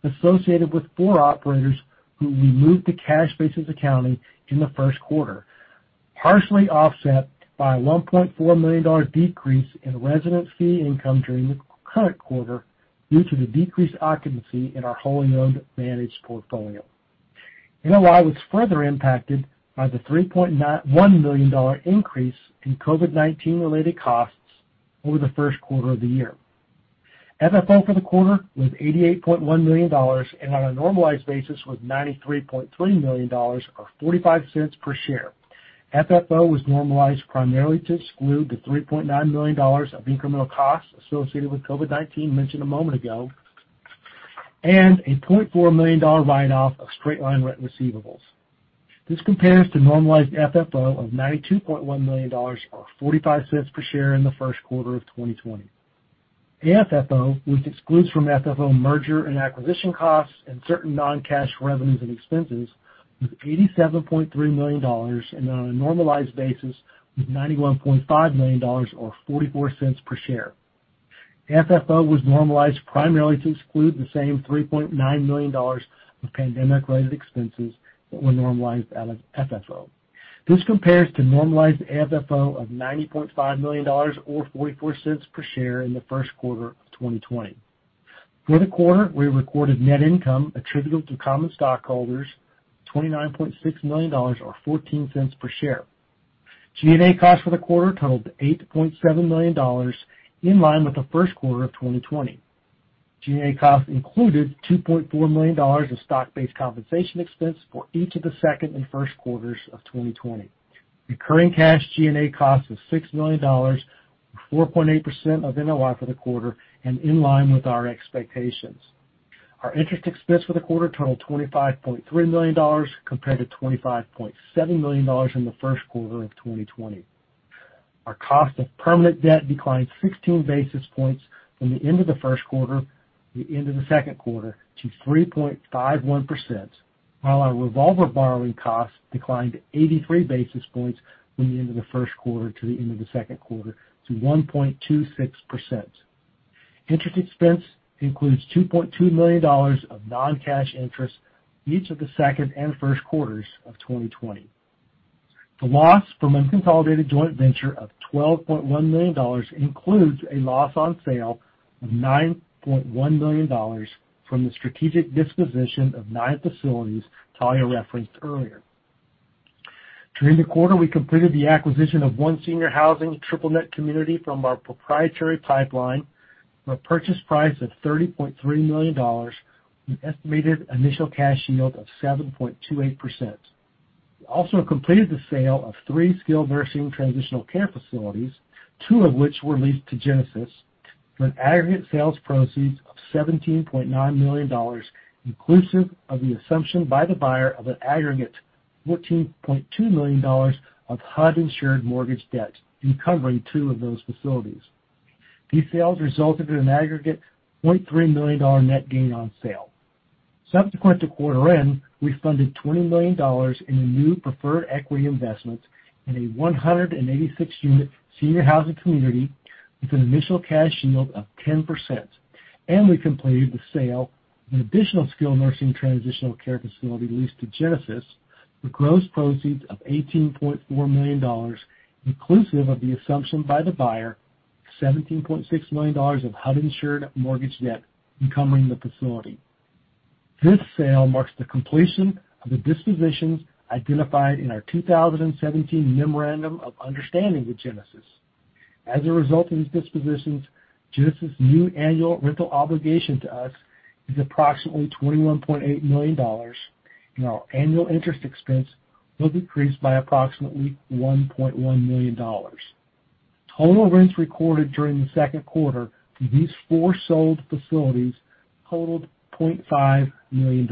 associated with four operators who removed the cash basis accounting in the Q1, partially offset by a $1.4 million decrease in resident fee income during the current quarter due to the decreased occupancy in our wholly-owned managed portfolio. NOI was further impacted by the $3.1 million increase in COVID-19 related costs over the Q1 of the year. FFO for the quarter was $88.1 million, and on a normalized basis was $93.3 million, or $0.45 per share. FFO was normalized primarily to exclude the $3.9 million of incremental costs associated with COVID-19 mentioned a moment ago and a $0.4 million write-off of straight-line rent receivables. This compares to normalized FFO of $92.1 million, or $0.45 per share in the Q1 of 2020. AFFO, which excludes from FFO merger and acquisition costs and certain non-cash revenues and expenses, was $87.3 million, and on a normalized basis was $91.5 million, or $0.44 per share. AFFO was normalized primarily to exclude the same $3.9 million of pandemic-related expenses that were normalized out of FFO. This compares to normalized AFFO of $90.5 million or $0.44 per share in the Q1 of 2020. For the quarter, we recorded net income attributable to common stockholders of $29.6 million or $0.14 per share. G&A costs for the quarter totaled $8.7 million, in line with the Q1 of 2020. G&A costs included $2.4 million of stock-based compensation expense for each of the second and first quarters of 2020. Recurring cash G&A costs was $6 million or 4.8% of NOI for the quarter and in line with our expectations. Our interest expense for the quarter totaled $25.3 million, compared to $25.7 million in the Q1 of 2020. Our cost of permanent debt declined 16 basis points from the end of the Q1 to the end of the Q2 to 3.51%, while our revolver borrowing cost declined 83 basis points from the end of the Q1 to the end of the Q2 to 1.26%. Interest expense includes $2.2 million of non-cash interest each of the second and first quarters of 2020. The loss from unconsolidated joint venture of $12.1 million includes a loss on sale of $9.1 million from the strategic disposition of nine facilities Talya referenced earlier. During the quarter, we completed the acquisition of one senior housing triple net community from our proprietary pipeline for a purchase price of $30.3 million with an estimated initial cash yield of 7.28%. We also completed the sale of three skilled nursing transitional care facilities, two of which were leased to Genesis, for an aggregate sales proceeds of $17.9 million, inclusive of the assumption by the buyer of an aggregate $14.2 million of HUD-insured mortgage debt encumbering two of those facilities. These sales resulted in an aggregate $0.3 million net gain on sale. Subsequent to quarter end, we funded $20 million in a new preferred equity investment in a 186-unit senior housing community with an initial cash yield of 10%, and we completed the sale of an additional skilled nursing transitional care facility leased to Genesis for gross proceeds of $18.4 million, inclusive of the assumption by the buyer of $17.6 million of HUD-insured mortgage debt encumbering the facility. This sale marks the completion of the dispositions identified in our 2017 memorandum of understanding with Genesis. As a result of these dispositions, Genesis' new annual rental obligation to us is approximately $21.8 million, and our annual interest expense will decrease by approximately $1.1 million. Total rents recorded during the Q2 for these four sold facilities totaled $0.5 million.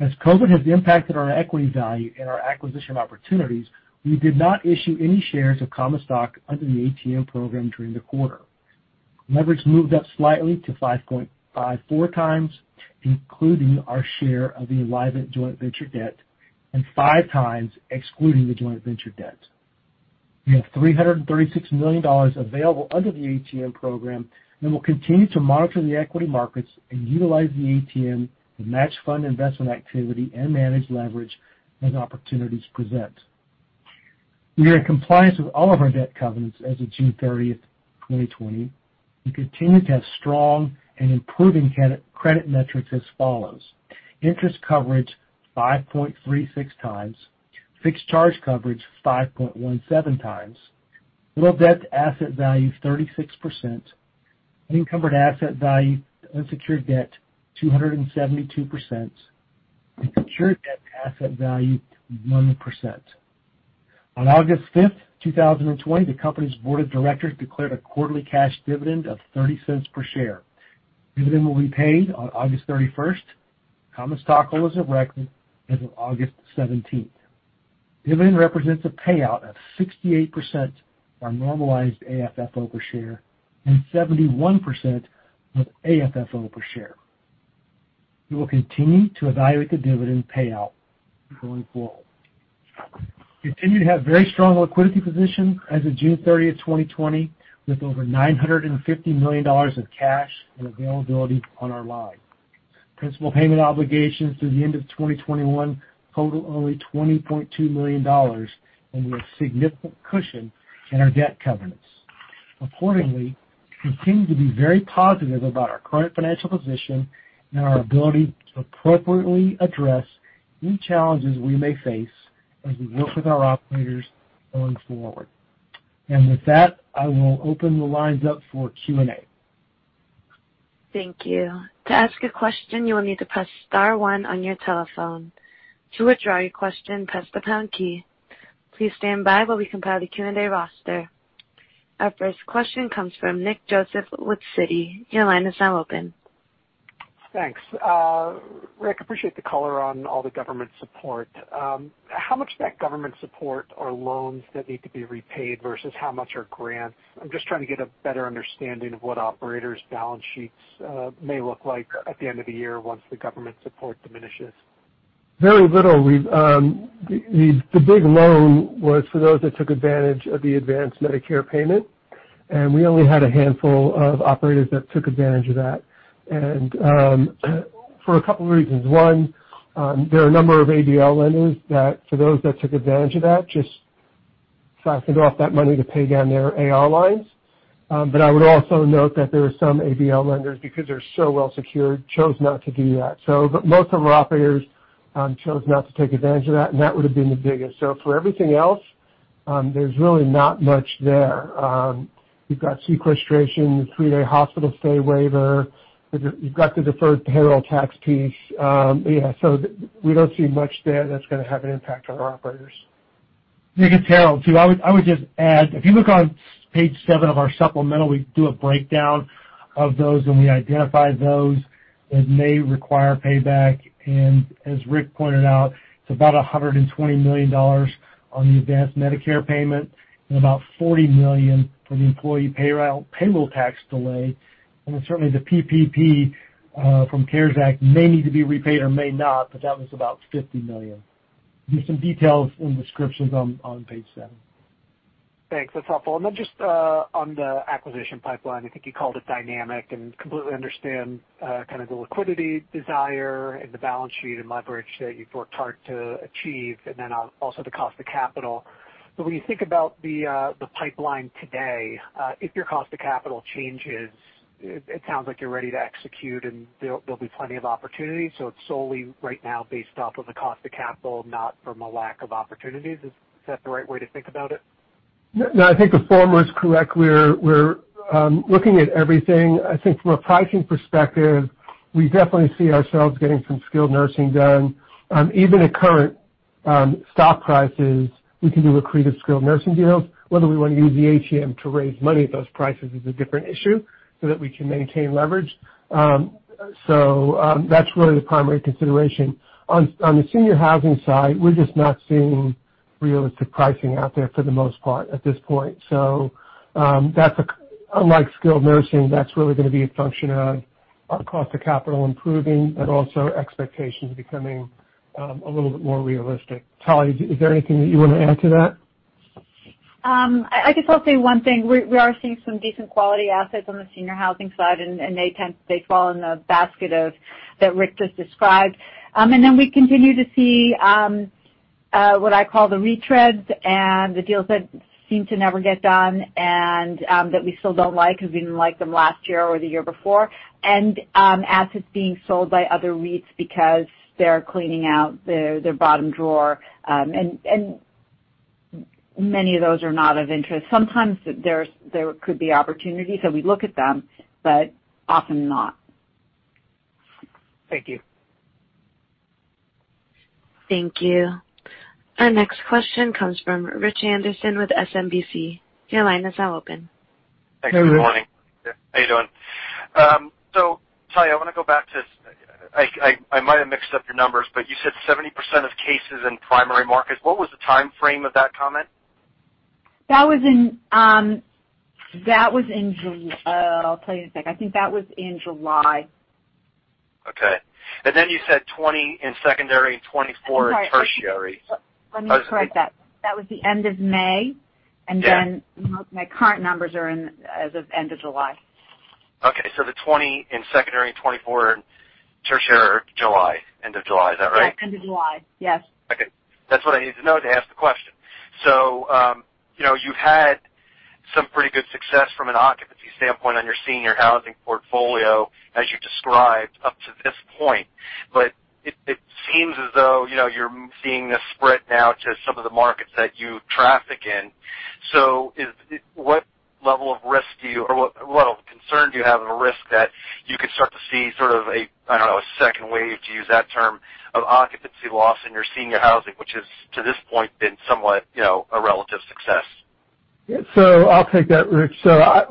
As COVID has impacted our equity value and our acquisition opportunities, we did not issue any shares of common stock under the ATM program during the quarter. Leverage moved up slightly to 5.54x, including our share of the Enlivant joint venture debt, and 5x excluding the joint venture debt. We have $336 million available under the ATM program, and we'll continue to monitor the equity markets and utilize the ATM to match fund investment activity and manage leverage as opportunities present. We are in compliance with all of our debt covenants as of June 30th, 2020, and continue to have strong and improving credit metrics as follows. Interest coverage, 5.36x. Fixed charge coverage, 5.17x. Loan debt to asset value, 36%. Unencumbered asset value to unsecured debt, 272%. Secured debt to asset value, one percent. On August 5th, 2020, the company's board of directors declared a quarterly cash dividend of $0.30 per share. Dividend will be paid on August 31st to common stockholders of record as of August 17th. Dividend represents a payout of 68% on normalized AFFO per share and 71% of AFFO per share. We will continue to evaluate the dividend payout going forward. We continue to have very strong liquidity position as of June 30th, 2020, with over $950 million of cash and availability on our line. Principal payment obligations through the end of 2021 total only $20.2 million, and we have significant cushion in our debt covenants. Accordingly, we continue to be very positive about our current financial position and our ability to appropriately address any challenges we may face as we work with our operators going forward. With that, I will open the lines up for Q&A. Our first question comes from Nick Joseph with Citi. Your line is now open. Thanks, Rick, appreciate the color on all the government support. How much of that government support are loans that need to be repaid versus how much are grants? I'm just trying to get a better understanding of what operators' balance sheets may look like at the end of the year once the government support diminishes. Very little. The big loan was for those that took advantage of the advanced Medicare payment, and we only had a handful of operators that took advantage of that for a couple reasons. One, there are a number of ABL lenders that for those that took advantage of that, just faster off that money to pay down their AR lines. I would also note that there are some ABL lenders, because they're so well secured, chose not to do that. Most of our operators chose not to take advantage of that, and that would've been the biggest. For everything else, there's really not much there. You've got sequestration, the three-day hospital stay waiver. You've got the deferred payroll tax piece. Yeah, we don't see much there that's gonna have an impact on our operators. Nick, it's Harold, too. I would just add, if you look on page seven of our supplemental, we do a breakdown of those, and we identify those that may require payback. As Rick pointed out, it's about $120 million on the advanced Medicare payment and about $40 million for the employee payroll tax delay. Certainly the PPP from CARES Act may need to be repaid or may not, but that was about $50 million. There's some details and descriptions on page seven. Thanks. That's helpful. On the acquisition pipeline, I think you called it dynamic and completely understand kind of the liquidity desire and the balance sheet and leverage that you've worked hard to achieve and also the cost of capital. When you think about the pipeline today, if your cost of capital changes, it sounds like you're ready to execute, and there'll be plenty of opportunities. It's solely right now based off of the cost of capital, not from a lack of opportunities. Is that the right way to think about it? No, I think the former is correct. We're looking at everything. I think from a pricing perspective, we definitely see ourselves getting some skilled nursing done, even at current stock prices, we can do accretive skilled nursing deals. Whether we want to use the ATM to raise money at those prices is a different issue, so that we can maintain leverage. That's really the primary consideration. On the senior housing side, we're just not seeing realistic pricing out there for the most part at this point. Unlike skilled nursing, that's really going to be a function of our cost of capital improving, but also expectations becoming a little bit more realistic. Talya, is there anything that you want to add to that? I guess I'll say one thing. We are seeing some decent quality assets on the senior housing side, and they fall in the basket that Rick just described. Then we continue to see what I call the retreads and the deals that seem to never get done and that we still don't like because we didn't like them last year or the year before. Assets being sold by other REITs because they're cleaning out their bottom drawer. Many of those are not of interest. Sometimes there could be opportunities, so we look at them, but often not. Thank you. Thank you. Our next question comes from Rich Anderson with SMBC. Your line is now open. Good morning. Thanks. How you doing? Talya, I want to go back to, I might have mixed up your numbers, but you said 70% of cases in primary markets. What was the timeframe of that comment? That was in July. I'll tell you in a sec. I think that was in July. Okay. You said 20 in secondary and 24 in tertiary. I'm sorry. Let me correct that. That was the end of May. Yeah. My current numbers are as of end of July. The 20 in secondary and 24 in tertiary are July, end of July. Is that right? Yeah, end of July. Yes. Okay. That's what I needed to know to ask the question. You've had some pretty good success from an occupancy standpoint on your senior housing portfolio, as you described up to this point. It seems as though you're seeing this spread now to some of the markets that you traffic in. What level of concern do you have of a risk that you could start to see sort of a, I don't know, a second wave, to use that term, of occupancy loss in your senior housing, which has, to this point, been somewhat a relative success? I'll take that, Rich.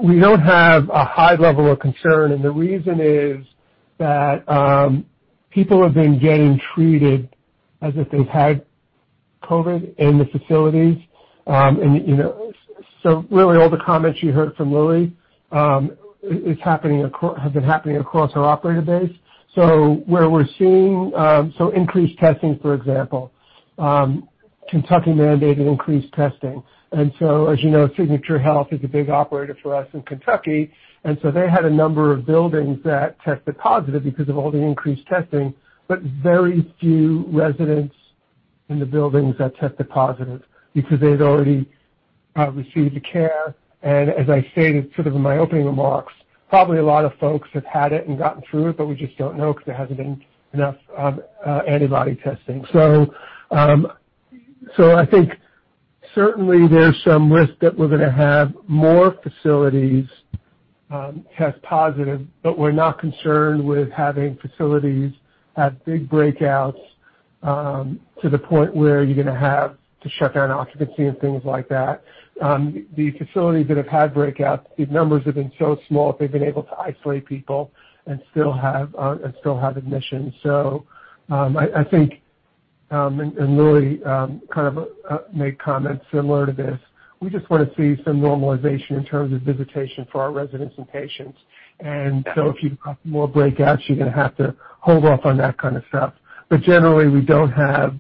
We don't have a high level of concern, and the reason is that people have been getting treated as if they've had COVID in the facilities. Really all the comments you heard from Lilly have been happening across our operator base. Increased testing, for example. Kentucky mandated increased testing. As you know, Signature HealthCARE is a big operator for us in Kentucky. They had a number of buildings that tested positive because of all the increased testing, but very few residents in the buildings that tested positive because they had already received the care. As I stated sort of in my opening remarks, probably a lot of folks have had it and gotten through it, but we just don't know because there hasn't been enough antibody testing. I think certainly there's some risk that we're going to have more facilities test positive, but we're not concerned with having facilities have big breakouts to the point where you're going to have to shut down occupancy and things like that. The facilities that have had breakouts, the numbers have been so small that they've been able to isolate people and still have admissions. I think, and Lilly kind of made comments similar to this, we just want to see some normalization in terms of visitation for our residents and patients. If you've got more breakouts, you're going to have to hold off on that kind of stuff. Generally, we don't have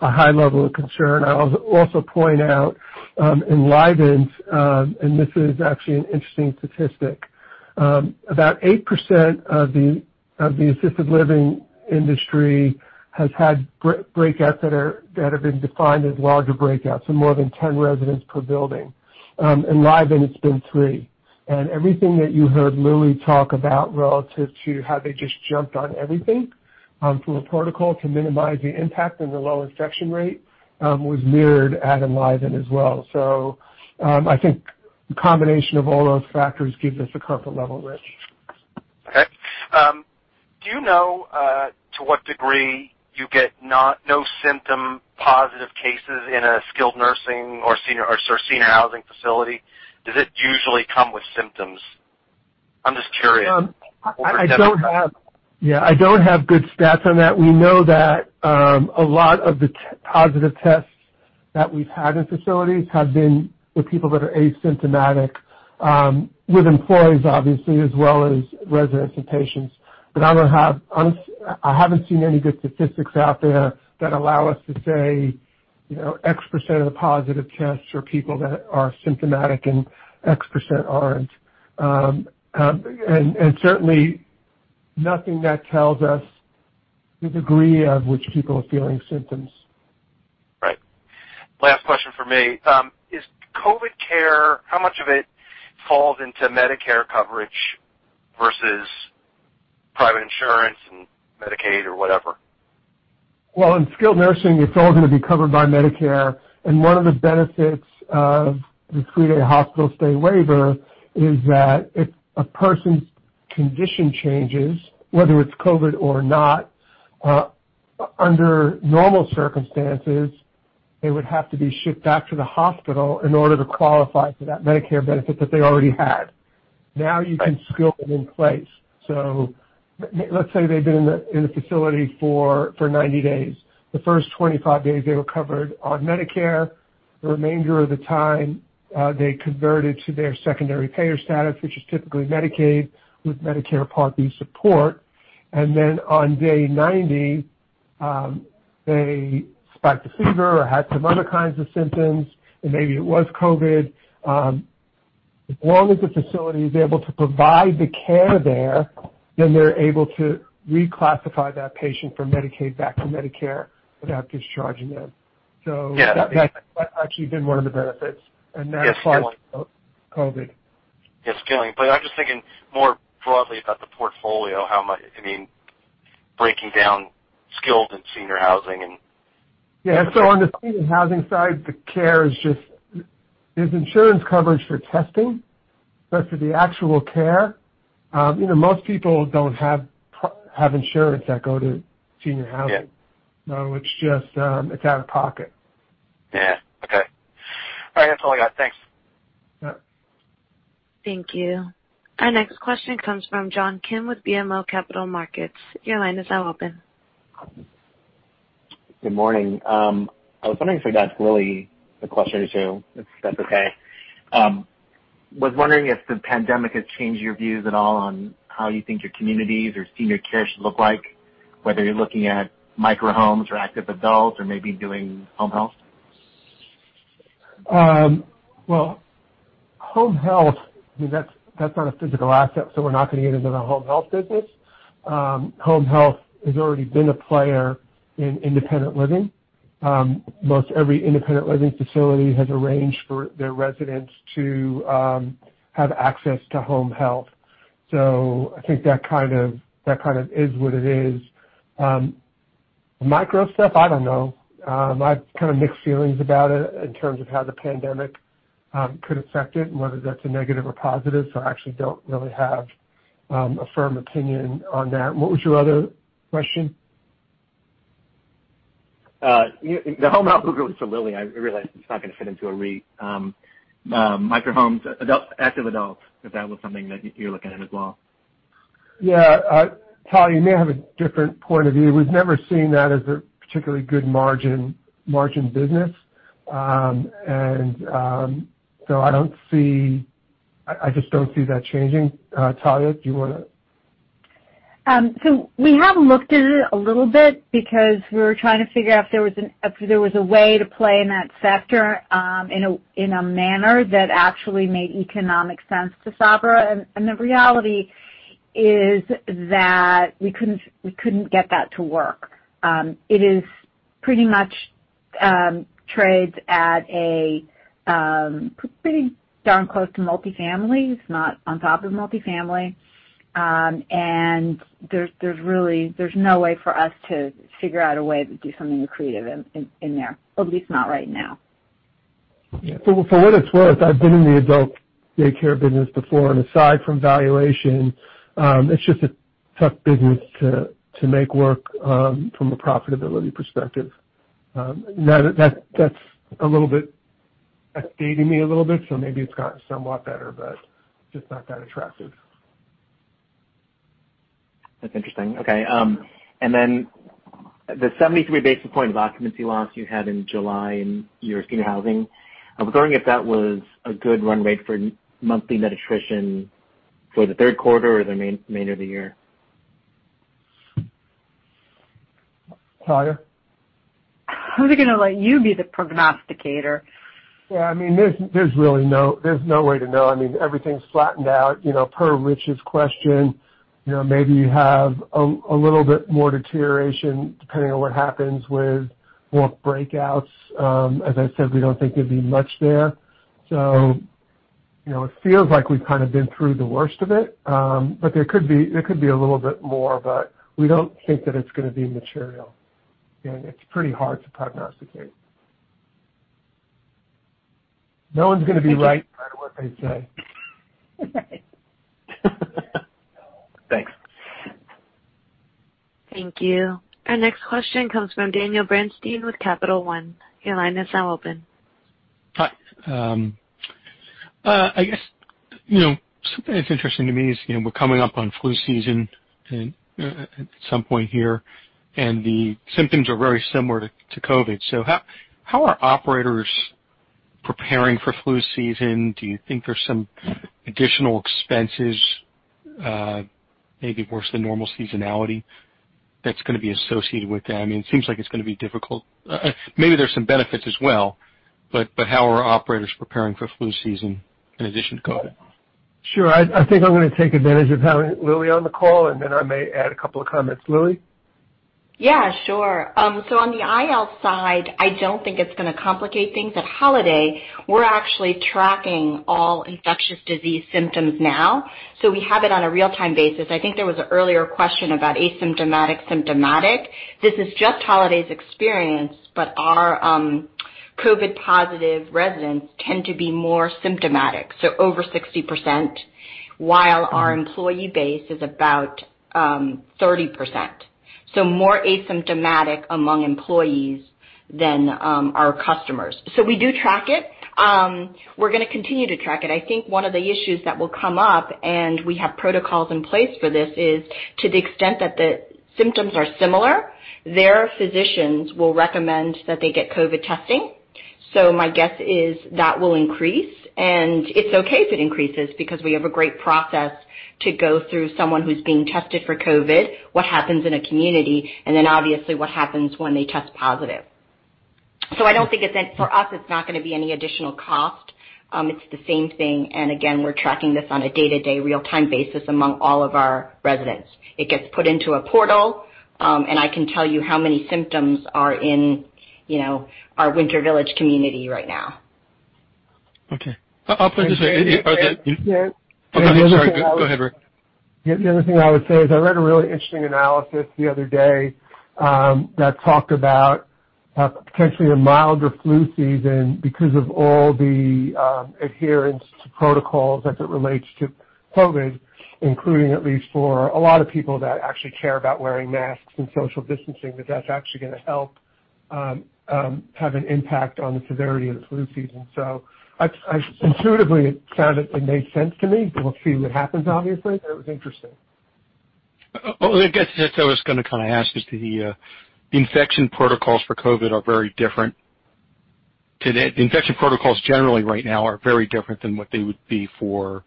a high level of concern. I'll also point out Enlivant, and this is actually an interesting statistic. About eight percent of the assisted living industry has had breakouts that have been defined as larger breakouts, so more than 10 residents per building. Enlivant, it's been three. Everything that you heard Lilly talk about relative to how they just jumped on everything from a protocol to minimize the impact and the low infection rate was mirrored at Enlivant as well. I think the combination of all those factors gives us a comfort level, Rich. Okay. Do you know to what degree you get no symptom positive cases in a skilled nursing or senior housing facility? Does it usually come with symptoms? I'm just curious. I don't have good stats on that. We know that a lot of the positive tests that we've had in facilities have been with people that are asymptomatic, with employees obviously, as well as residents and patients. I haven't seen any good statistics out there that allow us to say X% of the positive tests are people that are symptomatic and X% aren't. Certainly nothing that tells us the degree of which people are feeling symptoms. Right. Last question from me. Is COVID care, how much of it falls into Medicare coverage versus private insurance and Medicaid or whatever? Well, in skilled nursing, it's all going to be covered by Medicare, one of the benefits of the three-day hospital stay waiver is that if a person's condition changes, whether it's COVID or not, under normal circumstances, they would have to be shipped back to the hospital in order to qualify for that Medicare benefit that they already had. Now you can skill them in place. Let's say they've been in the facility for 90 days. The first 25 days, they were covered on Medicare. The remainder of the time, they converted to their secondary payer status, which is typically Medicaid with Medicare Part B support. On day 90, they spiked a fever or had some other kinds of symptoms, and maybe it was COVID. As long as the facility is able to provide the care there, then they're able to reclassify that patient from Medicaid back to Medicare without discharging them. Yeah. That's actually been one of the benefits, and that's prior to COVID. Yes. I'm just thinking more broadly about the portfolio, how much, breaking down skilled and senior housing. Yeah. On the senior housing side, there's insurance coverage for testing, but for the actual care, most people don't have insurance that go to senior housing. Yeah. It's out of pocket. Yeah. Okay. All right. That's all I got. Thanks. Yeah. Thank you. Our next question comes from John Kim with BMO Capital Markets. Your line is now open. Good morning. I was wondering if I could ask Lilly a question too, if that's okay. I was wondering if the pandemic has changed your views at all on how you think your communities or senior care should look like, whether you're looking at micro homes or active adults, or maybe doing home health. Well, home health, that's not a physical asset. We're not going to get into the home health business. Home health has already been a player in independent living. Most every independent living facility has arranged for their residents to have access to home health. I think that kind of is what it is. Micro stuff, I don't know. I've kind of mixed feelings about it in terms of how the pandemic could affect it and whether that's a negative or positive. I actually don't really have a firm opinion on that. What was your other question? The home health was for Lilly. I realize it's not going to fit into a REIT. Micro homes, active adults, if that was something that you're looking at as well. Yeah. Talya may have a different point of view. We've never seen that as a particularly good margin business. I just don't see that changing. Talya, do you want to? We have looked at it a little bit because we were trying to figure out if there was a way to play in that sector in a manner that actually made economic sense to Sabra. The reality is that we couldn't get that to work. It is pretty much trades at a pretty darn close to multifamily. It's not on top of multifamily. There's no way for us to figure out a way to do something creative in there, at least not right now. Yeah. For what it's worth, I've been in the adult daycare business before, and aside from valuation, it's just a tough business to make work from a profitability perspective. That's dating me a little bit, so maybe it's gotten somewhat better, but just not that attractive. That's interesting. Okay. The 73 basis point of occupancy loss you had in July in your senior housing, I was wondering if that was a good run rate for monthly net attrition for the Q3 or the remainder of the year. Talia? I was going to let you be the prognosticator. Yeah, there's no way to know. Everything's flattened out. Per Rich's question, maybe you have a little bit more deterioration depending on what happens with more breakouts. As I said, we don't think there'd be much there. It feels like we've kind of been through the worst of it. There could be a little bit more, but we don't think that it's going to be material. It's pretty hard to prognosticate. No one's going to be right no matter what they say. Right. Thanks. Thank you. Our next question comes from Daniel Bernstein with Capital One. Your line is now open. Hi. I guess, it's interesting to me is, we're coming up on flu season at some point here, and the symptoms are very similar to COVID. How are operators preparing for flu season? Do you think there's some additional expenses, maybe worse than normal seasonality that's going to be associated with that? It seems like it's going to be difficult. Maybe there's some benefits as well, but how are operators preparing for flu season in addition to COVID? Sure. I think I'm going to take advantage of having Lilly on the call, and then I may add a couple of comments. Lilly? On the IL side, I don't think it's going to complicate things. At Holiday, we're actually tracking all infectious disease symptoms now. We have it on a real-time basis. I think there was an earlier question about asymptomatic, symptomatic. This is just Holiday's experience, but our COVID positive residents tend to be more symptomatic, so over 60%, while our employee base is about 30%. More asymptomatic among employees than our customers. We do track it. We're going to continue to track it. I think one of the issues that will come up, and we have protocols in place for this, is to the extent that the symptoms are similar, their physicians will recommend that they get COVID testing. My guess is that will increase, and it's okay if it increases because we have a great process to go through someone who's being tested for COVID, what happens in a community, and then obviously what happens when they test positive. I don't think for us, it's not going to be any additional cost. It's the same thing, and again, we're tracking this on a day-to-day, real-time basis among all of our residents. It gets put into a portal, and I can tell you how many symptoms are in our Winter Village community right now. Okay. I'll put it this way. The other thing I would- Okay. I'm sorry. Go ahead, Rick. The other thing I would say is I read a really interesting analysis the other day that talked about potentially a milder flu season because of all the adherence to protocols as it relates to COVID, including at least for a lot of people that actually care about wearing masks and social distancing, that is actually going to help have an impact on the severity of the flu season. Intuitively, it made sense to me. We will see what happens, obviously, but it was interesting. Well, I guess that's what I was going to ask is the infection protocols for COVID are very different today. Infection protocols generally right now are very different than what they would be for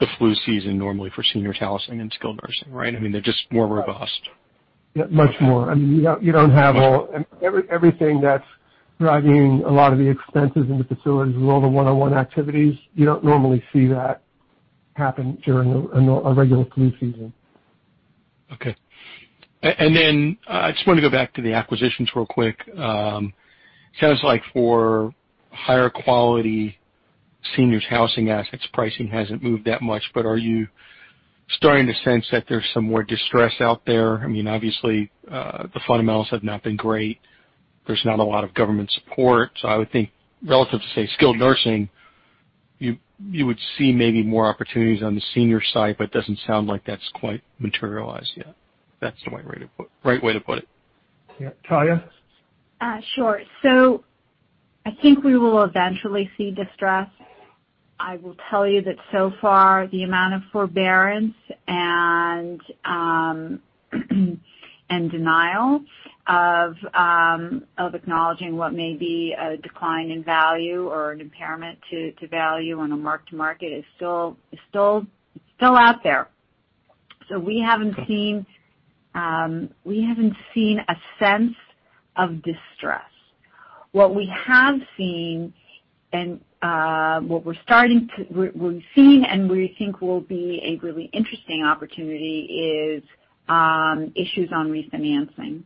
the flu season, normally for senior housing and skilled nursing, right? They're just more robust. Much more. Everything that's driving a lot of the expenses in the facilities with all the one-on-one activities, you don't normally see that happen during a regular flu season. Okay. I just want to go back to the acquisitions real quick. Sounds like for higher quality seniors housing assets, pricing hasn't moved that much, but are you starting to sense that there's some more distress out there? Obviously, the fundamentals have not been great. There's not a lot of government support. I would think relative to, say, skilled nursing, you would see maybe more opportunities on the senior side, but it doesn't sound like that's quite materialized yet. If that's the right way to put it. Yeah. Talya? Sure. I think we will eventually see distress. I will tell you that so far, the amount of forbearance and denial of acknowledging what may be a decline in value or an impairment to value on a mark-to-market is still out there. We haven't seen a sense of distress. What we have seen, and we think will be a really interesting opportunity, is issues on refinancing,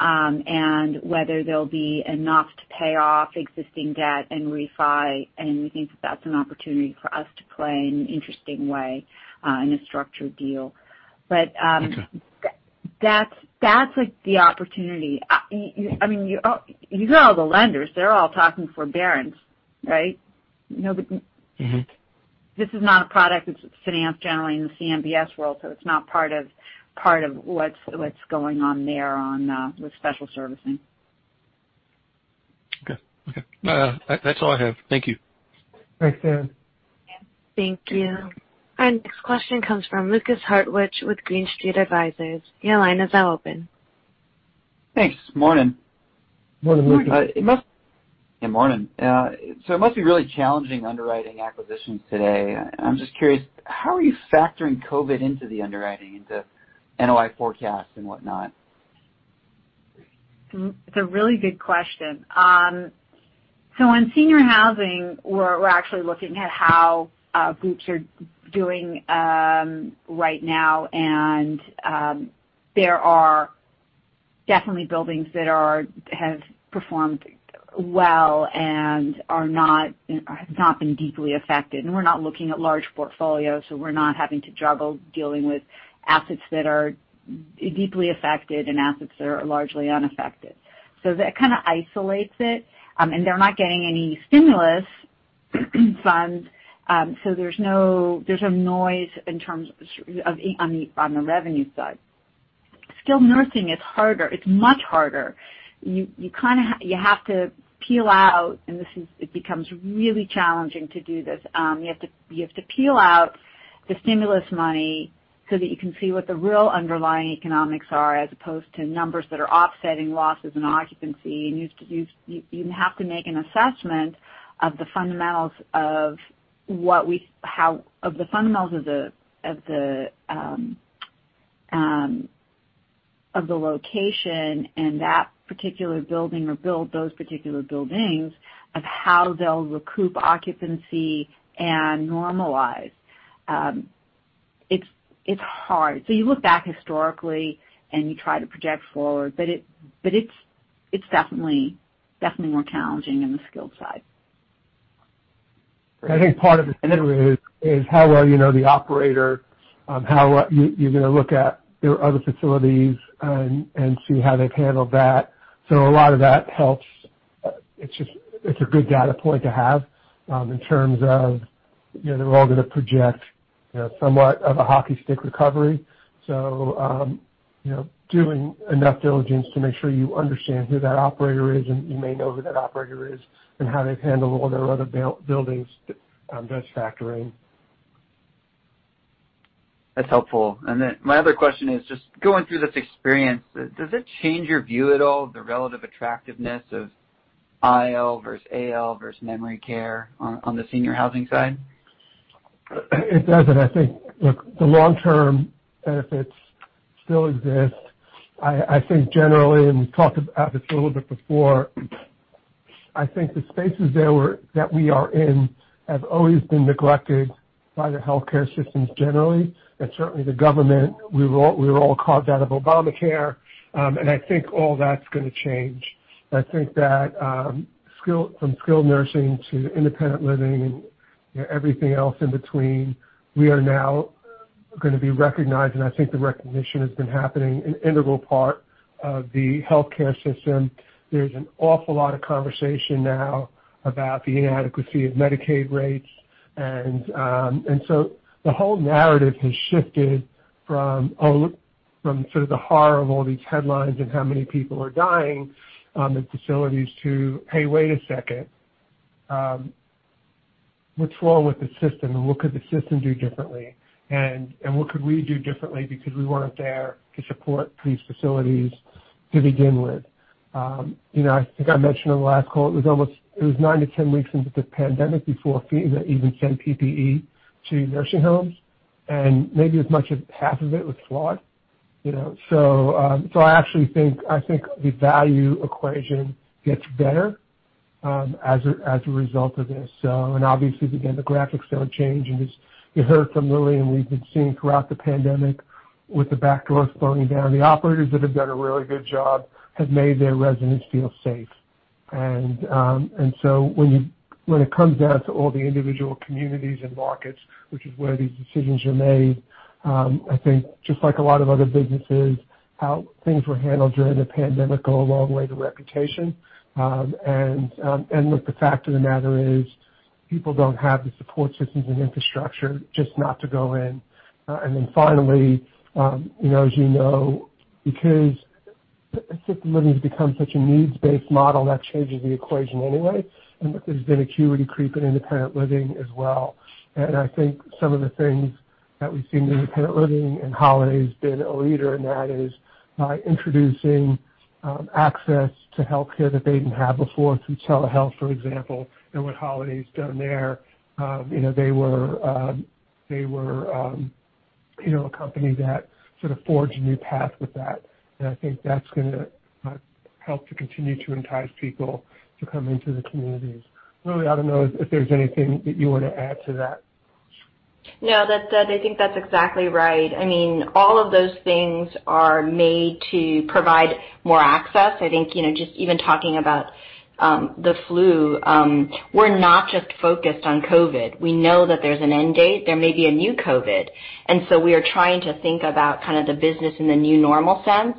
and whether there'll be enough to pay off existing debt and refi, and we think that that's an opportunity for us to play in an interesting way in a structured deal. Okay. That's the opportunity. You go to all the lenders, they're all talking forbearance, right? This is not a product that's financed generally in the CMBS world, so it's not part of what's going on there with special servicing. Okay. That's all I have. Thank you. Thanks, Dan. Thank you. Our next question comes from Lukas Hartwich with Green Street Advisors. Thanks. Morning. Morning. Lukas. Yeah, morning. It must be really challenging underwriting acquisitions today. I'm just curious, how are you factoring COVID into the underwriting, into NOI forecasts and whatnot? It's a really good question. In senior housing, we're actually looking at how groups are doing right now, and there are definitely buildings that have performed well and have not been deeply affected. We're not looking at large portfolios, so we're not having to juggle dealing with assets that are deeply affected and assets that are largely unaffected. That kind of isolates it. They're not getting any stimulus funds, so there's no noise on the revenue side. Skilled nursing, it's harder. It's much harder. You have to peel out, and it becomes really challenging to do this. You have to peel out the stimulus money so that you can see what the real underlying economics are as opposed to numbers that are offsetting losses in occupancy. You have to make an assessment of the fundamentals of the location and that particular building or those particular buildings of how they'll recoup occupancy and normalize. It's hard. You look back historically, and you try to project forward, but it's definitely more challenging on the skilled side. I think part of it is how well you know the operator, how you're going to look at their other facilities and see how they've handled that. A lot of that helps. It's a good data point to have in terms of they're all going to project somewhat of a hockey stick recovery. Doing enough diligence to make sure you understand who that operator is, and you may know who that operator is and how they've handled all their other buildings, does factor in. That's helpful. My other question is just going through this experience, does it change your view at all, the relative attractiveness of IL versus AL versus memory care on the senior housing side? It doesn't. I think, look, the long-term benefits still exist. I think generally, and we talked about this a little bit before, I think the spaces that we are in have always been neglected by the healthcare systems generally and certainly the government. We were all caught that of Obamacare. I think all that's going to change. I think that from skilled nursing to independent living and everything else in between, we are now going to be recognized, and I think the recognition has been happening, an integral part of the healthcare system. There's an awful lot of conversation now about the inadequacy of Medicaid rates. The whole narrative has shifted from sort of the horror of all these headlines and how many people are dying in facilities to, "Hey, wait a second. What's wrong with the system? And what could the system do differently? What could we do differently because we weren't there to support these facilities to begin with? I think I mentioned on the last call, it was 9 - 10 weeks into the pandemic before FEMA even sent PPE to nursing homes, and maybe as much as half of it was flawed. I actually think the value equation gets better as a result of this. Obviously, again, the graphics don't change, and as you heard from Lilly, we've been seeing throughout the pandemic with the back doors throwing down. The operators that have done a really good job have made their residents feel safe. When it comes down to all the individual communities and markets, which is where these decisions are made, I think just like a lot of other businesses, how things were handled during the pandemic go a long way to reputation. The fact of the matter is people don't have the support systems and infrastructure just not to go in. Finally, as you know, because assisted living has become such a needs-based model, that changes the equation anyway. There's been acuity creep in independent living as well. I think some of the things that we've seen in independent living, and Holiday's been a leader in that, is introducing access to healthcare that they didn't have before, through telehealth, for example, and what Holiday's done there. They were a company that sort of forged a new path with that, and I think that's going to help to continue to entice people to come into the communities. Lilly, I don't know if there's anything that you want to add to that. No, I think that's exactly right. All of those things are made to provide more access. I think, just even talking about the flu, we're not just focused on COVID. We know that there's an end date. There may be a new COVID. We are trying to think about kind of the business in the new normal sense.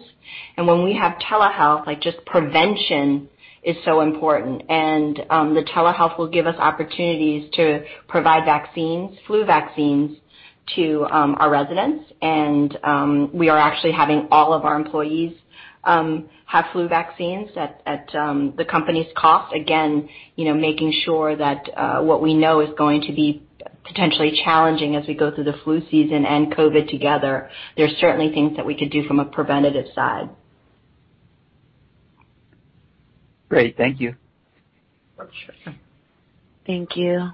When we have telehealth, just prevention is so important. The telehealth will give us opportunities to provide vaccines, flu vaccines, to our residents. We are actually having all of our employees have flu vaccines at the company's cost. Again, making sure that what we know is going to be potentially challenging as we go through the flu season and COVID together. There's certainly things that we could do from a preventative side. Great. Thank you. Sure. Thank you.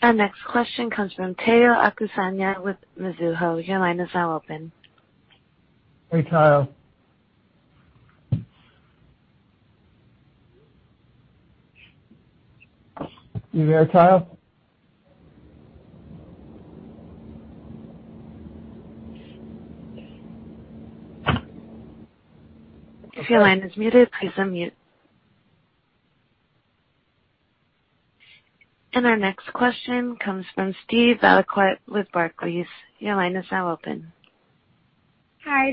Our next question comes from Tayo Okusanya with Mizuho. Hey, Tayo. You there, Tayo? Our next question comes from Steve Valiquette with Barclays. Hi,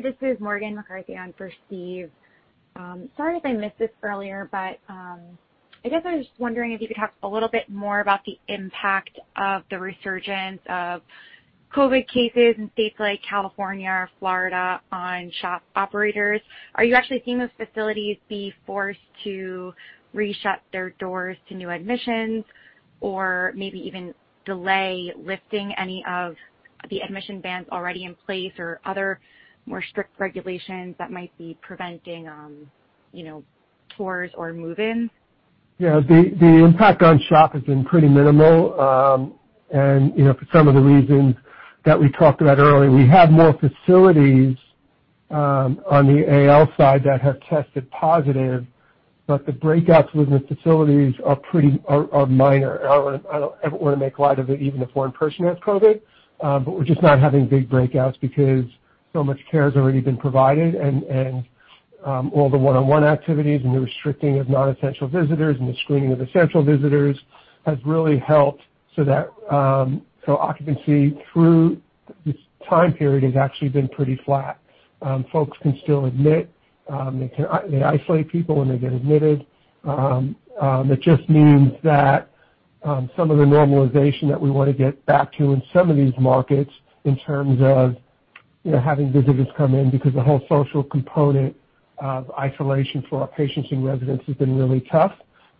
this is Morgan McCarthy on for Steve. Sorry if I missed this earlier, I guess I was just wondering if you could talk a little bit more about the impact of the resurgence of COVID cases in states like California or Florida on SHOP operators. Are you actually seeing those facilities be forced to re-shut their doors to new admissions or maybe even delay lifting any of the admission bans already in place or other more strict regulations that might be preventing tours or move-ins? Yeah. The impact on SHOP has been pretty minimal, and for some of the reasons that we talked about earlier. We have more facilities on the AL side that have tested positive, but the breakouts within the facilities are minor. I don't ever want to make light of it, even if one person has COVID, but we're just not having big breakouts because. Much care has already been provided, and all the one-on-one activities and the restricting of non-essential visitors and the screening of essential visitors has really helped so occupancy through this time period has actually been pretty flat. Folks can still admit. They isolate people when they get admitted. It just means that some of the normalization that we want to get back to in some of these markets in terms of having visitors come in, because the whole social component of isolation for our patients and residents has been really tough.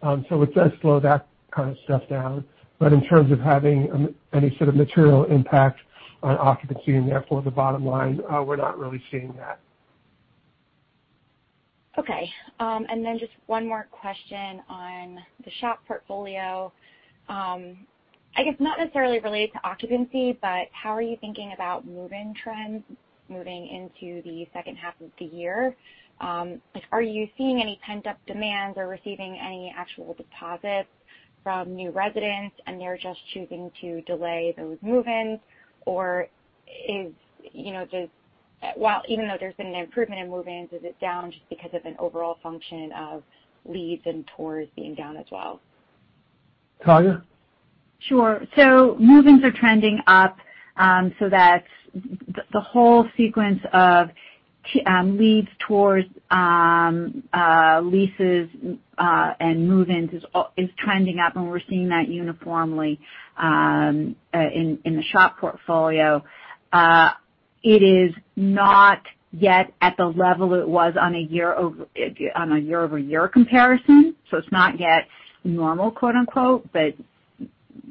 It does slow that kind of stuff down. In terms of having any sort of material impact on occupancy and therefore the bottom line, we're not really seeing that. Okay. Just one more question on the SHOP portfolio. I guess not necessarily related to occupancy, but how are you thinking about move-in trends moving into the second half of the year? Are you seeing any pent-up demands or receiving any actual deposits from new residents, and they're just choosing to delay those move-ins? Even though there's been an improvement in move-ins, is it down just because of an overall function of leads and tours being down as well? Talia? Sure. Move-ins are trending up, so that the whole sequence of leads, tours, leases, and move-ins is trending up, and we're seeing that uniformly in the SHOP portfolio. It is not yet at the level it was on a year-over-year comparison, so it's not yet normal, quote unquote, but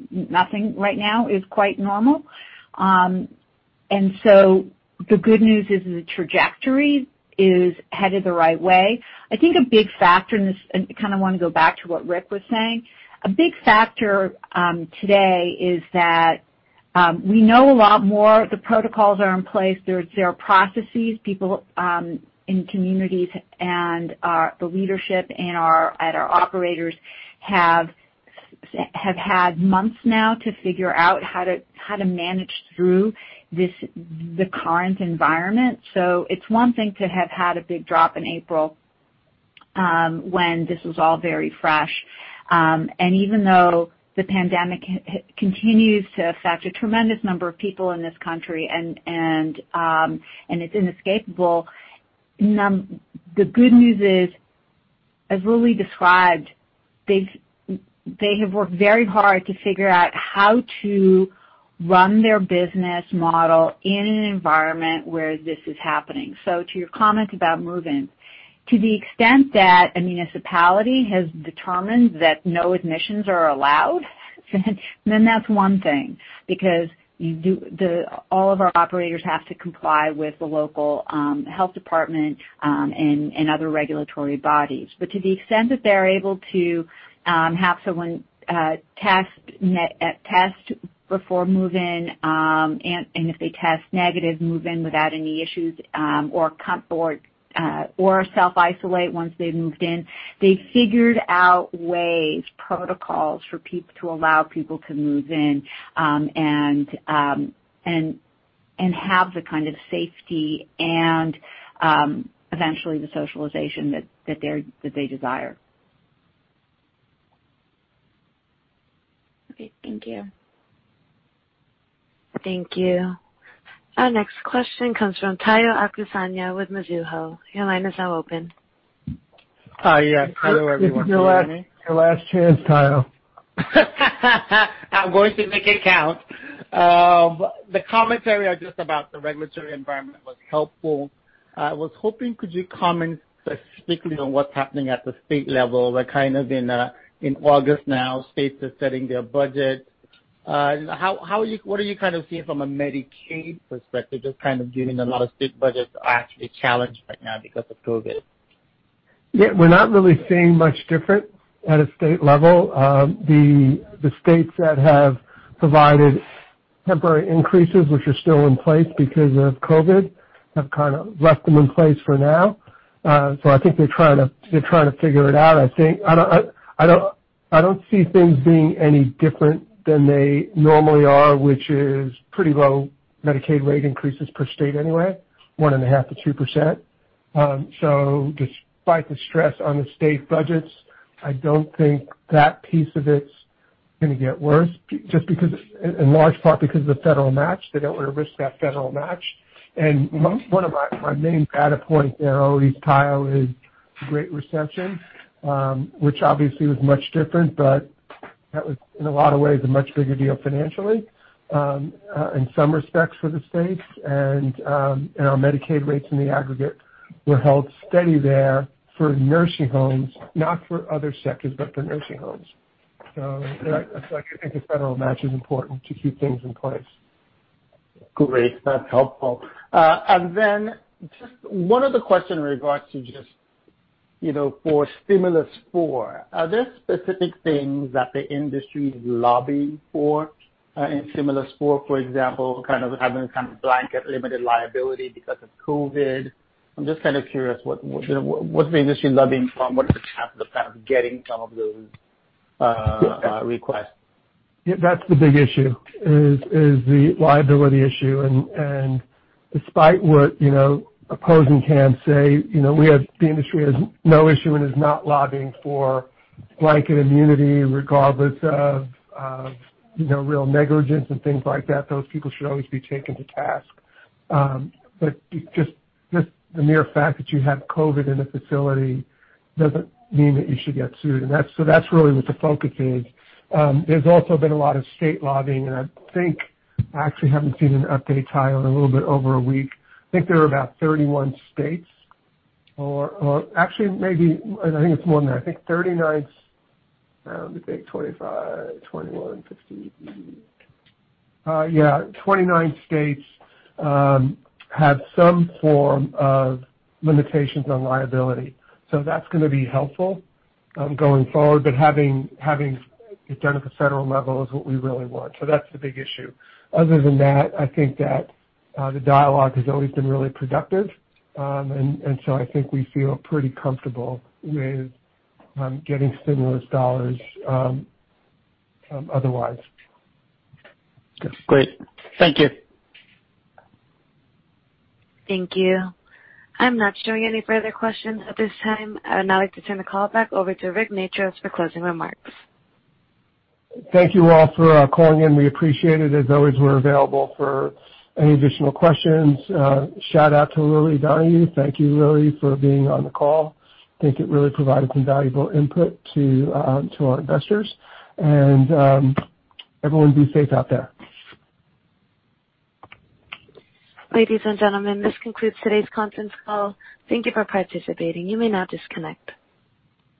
nothing right now is quite normal. The good news is the trajectory is headed the right way. I kind of want to go back to what Rick was saying. A big factor today is that we know a lot more. The protocols are in place. There are processes. People in communities and the leadership and our operators have had months now to figure out how to manage through the current environment. It's one thing to have had a big drop in April when this was all very fresh. Even though the pandemic continues to affect a tremendous number of people in this country, and it's inescapable, the good news is, as Willie described, they have worked very hard to figure out how to run their business model in an environment where this is happening. To your comment about move-ins, to the extent that a municipality has determined that no admissions are allowed, then that's one thing, because all of our operators have to comply with the local health department and other regulatory bodies. To the extent that they're able to have someone test before move-in, and if they test negative, move in without any issues or self-isolate once they've moved in. They've figured out ways, protocols to allow people to move in and have the kind of safety and eventually the socialization that they desire. Okay, thank you. Thank you. Our next question comes from Tayo Okusanya with Mizuho. Tayo, can you hear me? This is your last chance, Tayo. I'm going to make it count. The commentary just about the regulatory environment was helpful. I was hoping, could you comment specifically on what's happening at the state level? We're kind of in August now. States are setting their budgets. What are you kind of seeing from a Medicaid perspective, just kind of given a lot of state budgets are actually challenged right now because of COVID? Yeah, we're not really seeing much different at a state level. The states that have provided temporary increases, which are still in place because of COVID, have kind of left them in place for now. I think they're trying to figure it out, I think. I don't see things being any different than they normally are, which is pretty low Medicaid rate increases per state anyway, 1.5%-2%. Despite the stress on the state budgets, I don't think that piece of it's going to get worse, just in large part because of the federal match. They don't want to risk that federal match. One of my main data points there always, Tayo, is Great Recession, which obviously was much different, but that was, in a lot of ways, a much bigger deal financially in some respects for the states. Our Medicaid rates in the aggregate were held steady there for nursing homes, not for other sectors, but for nursing homes. I think the federal match is important to keep things in place. Great. That's helpful. Just one other question in regards to just for Stimulus four, are there specific things that the industry is lobbying for in Stimulus four, for example, kind of having some blanket limited liability because of COVID? I'm just kind of curious, what's the industry lobbying from? What are the chances of kind of getting some of those requests? Yeah, that's the big issue, is the liability issue. Despite what opposing camps say, the industry has no issue and is not lobbying for blanket immunity regardless of real negligence and things like that. Those people should always be taken to task. Just the mere fact that you have COVID in a facility doesn't mean that you should get sued. That's really what the focus is. There's also been a lot of state lobbying, and I think I actually haven't seen an update, Tayo, on a little bit over a week. I think there are about 31 states, or actually, maybe I think it's more than that. I think 39. Let me think, 25, 21, 15. Yeah, 29 states have some form of limitations on liability. That's going to be helpful going forward. Having it done at the federal level is what we really want. That's the big issue. Other than that, I think that the dialogue has always been really productive. I think we feel pretty comfortable with getting stimulus dollars otherwise. Great. Thank you. Thank you. I'm not showing any further questions at this time. I'd now like to turn the call back over to Rick Matros for closing remarks. Thank you all for calling in. We appreciate it. As always, we're available for any additional questions. Shout out to Rory Donohue. Thank you, Rory, for being on the call. I think it really provided some valuable input to our investors. Everyone be safe out there. Ladies and gentlemen, this concludes today's conference call. Thank you for participating. You may now disconnect.